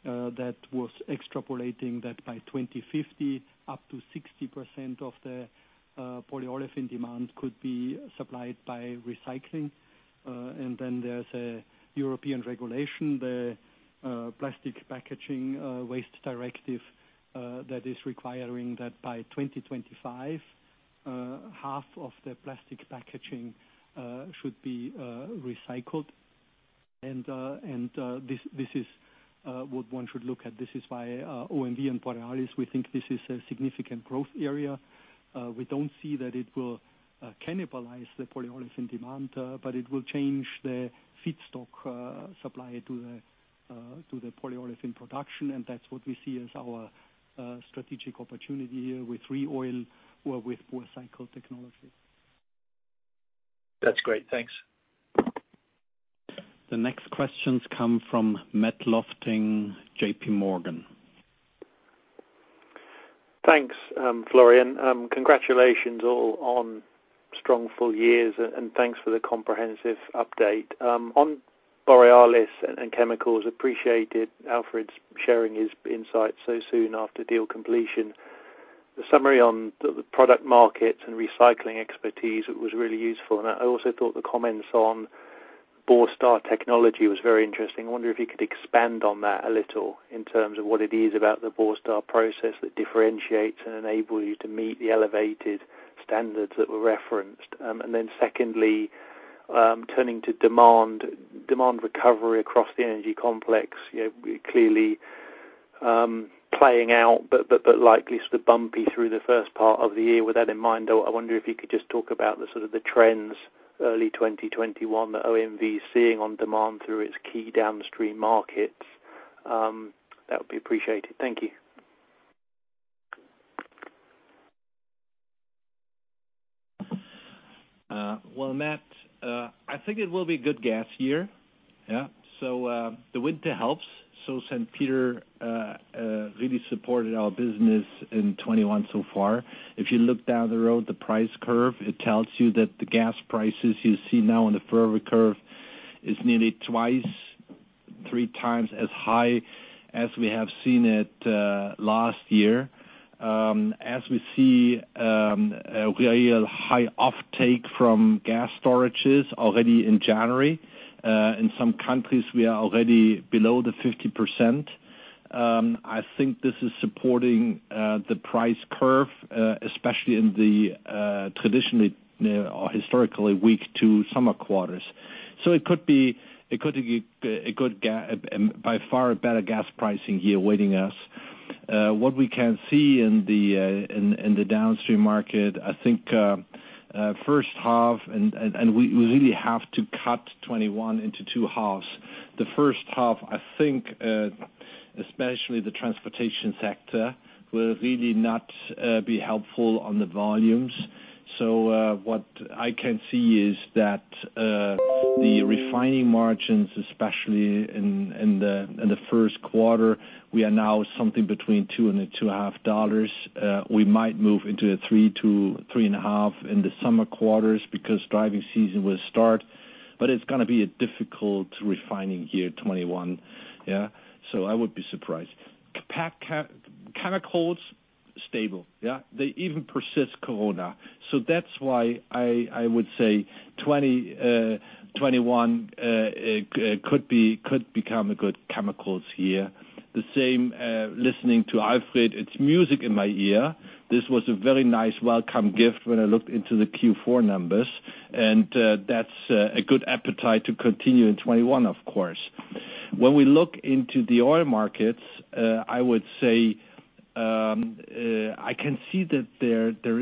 that was extrapolating that by 2050, up to 60% of the polyolefin demand could be supplied by recycling. There's a European regulation, the Packaging and Packaging Waste Directive, that is requiring that by 2025, half of the plastic packaging should be recycled. This is what one should look at. This is why OMV and Borealis, we think this is a significant growth area. We don't see that it will cannibalize the polyolefin demand, but it will change the feedstock supply to the polyolefin production, and that's what we see as our strategic opportunity here with ReOil or with Borcycle Technology. That's great. Thanks. The next questions come from Matt Lofting, JPMorgan. Thanks, Florian. Congratulations all on strong full years, thanks for the comprehensive update. On Borealis and chemicals, appreciated Alfred's sharing his insights so soon after deal completion. The summary on the product markets and recycling expertise, it was really useful. I also thought the comments on Borstar technology was very interesting. I wonder if you could expand on that a little in terms of what it is about the Borstar process that differentiates and enables you to meet the elevated standards that were referenced. Secondly, turning to demand recovery across the energy complex, clearly playing out, but likely sort of bumpy through the first part of the year. With that in mind, though, I wonder if you could just talk about the sort of the trends early 2021 that OMV is seeing on demand through its key downstream markets. That would be appreciated. Thank you. Well, Matt, I think it will be a good gas year. Yeah. The winter helps. St. Peter really supported our business in 2021 so far. If you look down the road, the price curve, it tells you that the gas prices you see now on the forward curve is nearly twice, three times as high as we have seen it last year. As we see, we are a high offtake from gas storages already in January. In some countries, we are already below the 50%. I think this is supporting the price curve, especially in the traditionally or historically weak two summer quarters. It could be by far a better gas pricing year awaiting us What we can see in the downstream market, I think first half. We really have to cut 2021 into two halves. The first half, I think especially the transportation sector, will really not be helpful on the volumes. What I can see is that the refining margins, especially in the first quarter, we are now something between $2-$2.5. We might move into a $3-$3.5 in the summer quarters because driving season will start. It's going to be a difficult refining year 2021. Yeah. Chemicals, stable. Yeah. They even persist COVID-19. That's why I would say 2021 could become a good Chemicals year. The same, listening to Alfred, it's music in my ear. This was a very nice welcome gift when I looked into the Q4 numbers. That's a good appetite to continue in 2021, of course. When we look into the oil markets, I would say, I can see that there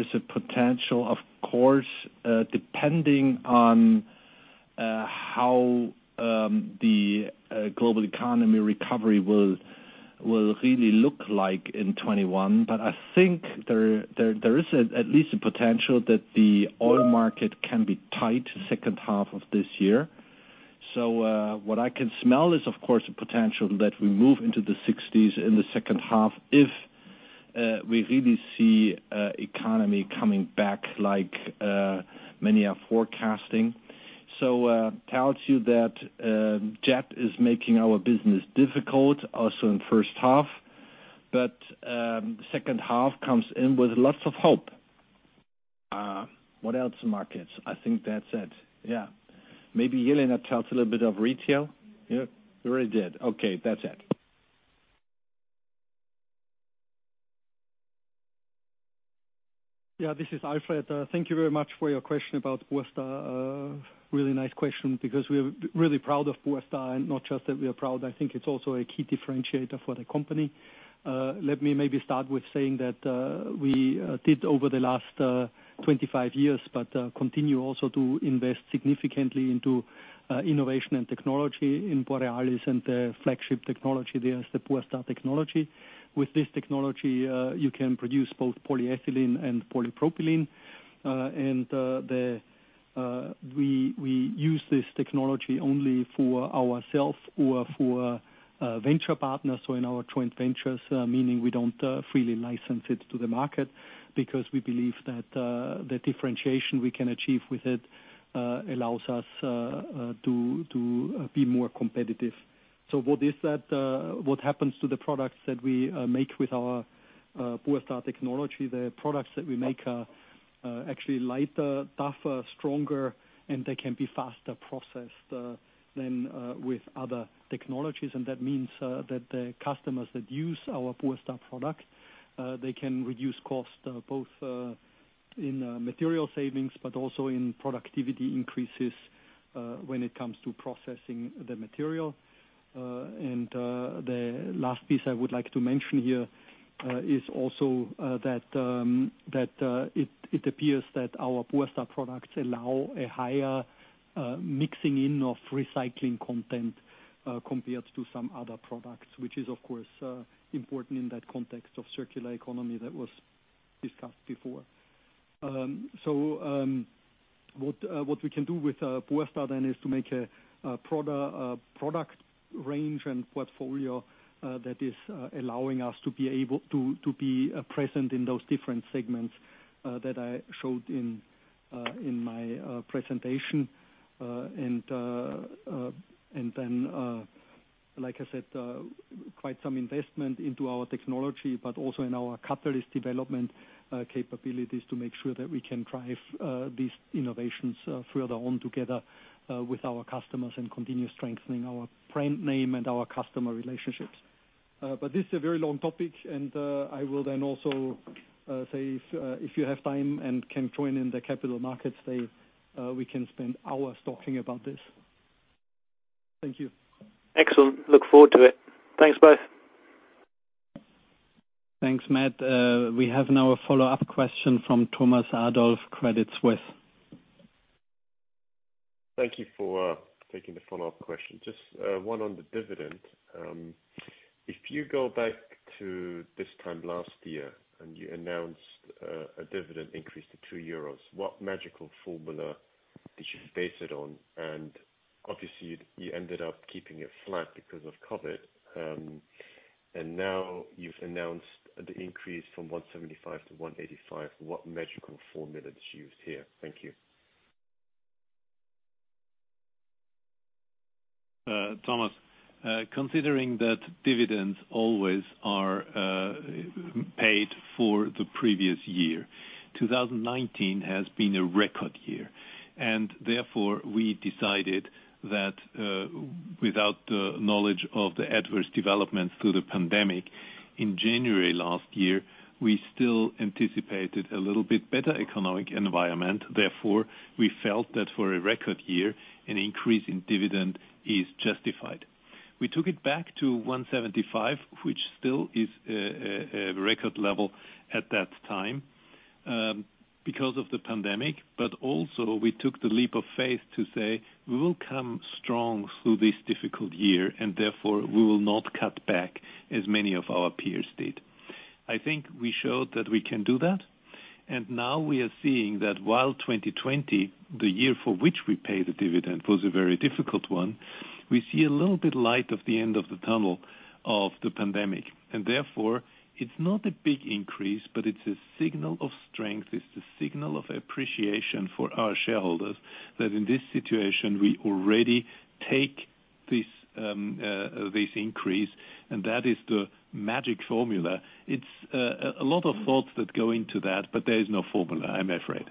is a potential, of course, depending on how the global economy recovery will really look like in 2021. I think there is at least a potential that the oil market can be tight second half of this year. What I can smell is of course, the potential that we move into the 60s in the second half if we really see economy coming back like many are forecasting. Tells you that jet is making our business difficult also in the first half, but second half comes in with lots of hope. What else markets? I think that's it. Yeah. Maybe Elena tells a little bit of retail. Yeah. You already did. Okay. That's it. Yeah. This is Alfred. Thank you very much for your question about Borstar. Really nice question because we're really proud of Borstar, and not just that we are proud, I think it's also a key differentiator for the company. Let me maybe start with saying that we did over the last 25 years, but continue also to invest significantly into innovation and technology in Borealis and the flagship technology, that is the Borstar technology. With this technology, you can produce both polyethylene and polypropylene. We use this technology only for ourself or for venture partners or in our joint ventures, meaning we don't freely license it to the market because we believe that the differentiation we can achieve with it allows us to be more competitive. What happens to the products that we make with our Borstar technology, the products that we make are actually lighter, tougher, stronger, and they can be faster processed than with other technologies. That means that the customers that use our Borstar product, they can reduce cost both in material savings, but also in productivity increases when it comes to processing the material. The last piece I would like to mention here is also that it appears that our Borstar products allow a higher mixing in of recycling content compared to some other products, which is, of course, important in that context of circular economy that was discussed before. What we can do with Borstar then is to make a product range and portfolio that is allowing us to be present in those different segments that I showed in my presentation. Like I said, quite some investment into our technology, but also in our catalyst development capabilities to make sure that we can drive these innovations further on together with our customers and continue strengthening our brand name and our customer relationships. This is a very long topic, and I will then also say, if you have time and can join in the Capital Markets Day, we can spend hours talking about this. Thank you. Excellent. Look forward to it. Thanks, both. Thanks, Matt. We have now a follow-up question from Thomas Adolff, Credit Suisse. Thank you for taking the follow-up question. Just one on the dividend. If you go back to this time last year and you announced a dividend increase to 2 euros, what magical formula did you base it on? Obviously, you ended up keeping it flat because of COVID-19. Now you've announced the increase from 1.75 to 1.85. What magical formula is used here? Thank you. Thomas, considering that dividends always are paid for the previous year, 2019 has been a record year, and therefore we decided that without the knowledge of the adverse developments through the pandemic in January last year, we still anticipated a little bit better economic environment. We felt that for a record year, an increase in dividend is justified. We took it back to 1.75, which still is a record level at that time, because of the pandemic, but also we took the leap of faith to say, we will come strong through this difficult year, and therefore we will not cut back as many of our peers did. I think we showed that we can do that, and now we are seeing that while 2020, the year for which we paid the dividend, was a very difficult one. We see a little bit light of the end of the tunnel of the pandemic, and therefore, it's not a big increase, but it's a signal of strength. It's a signal of appreciation for our shareholders that in this situation, we already take this increase, and that is the magic formula. It's a lot of thoughts that go into that, but there is no formula, I'm afraid.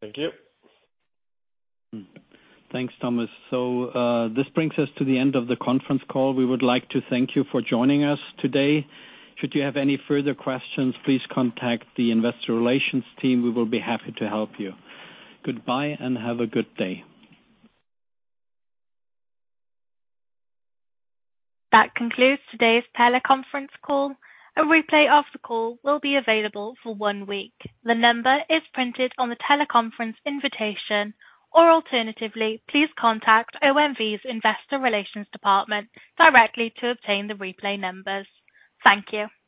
Thank you. Thanks, Thomas. This brings us to the end of the conference call. We would like to thank you for joining us today. Should you have any further questions, please contact the investor relations team. We will be happy to help you. Goodbye and have a good day. That concludes today's teleconference call. A replay of the call will be available for one week. The number is printed on the teleconference invitation, or alternatively, please contact OMV's investor relations department directly to obtain the replay numbers. Thank you.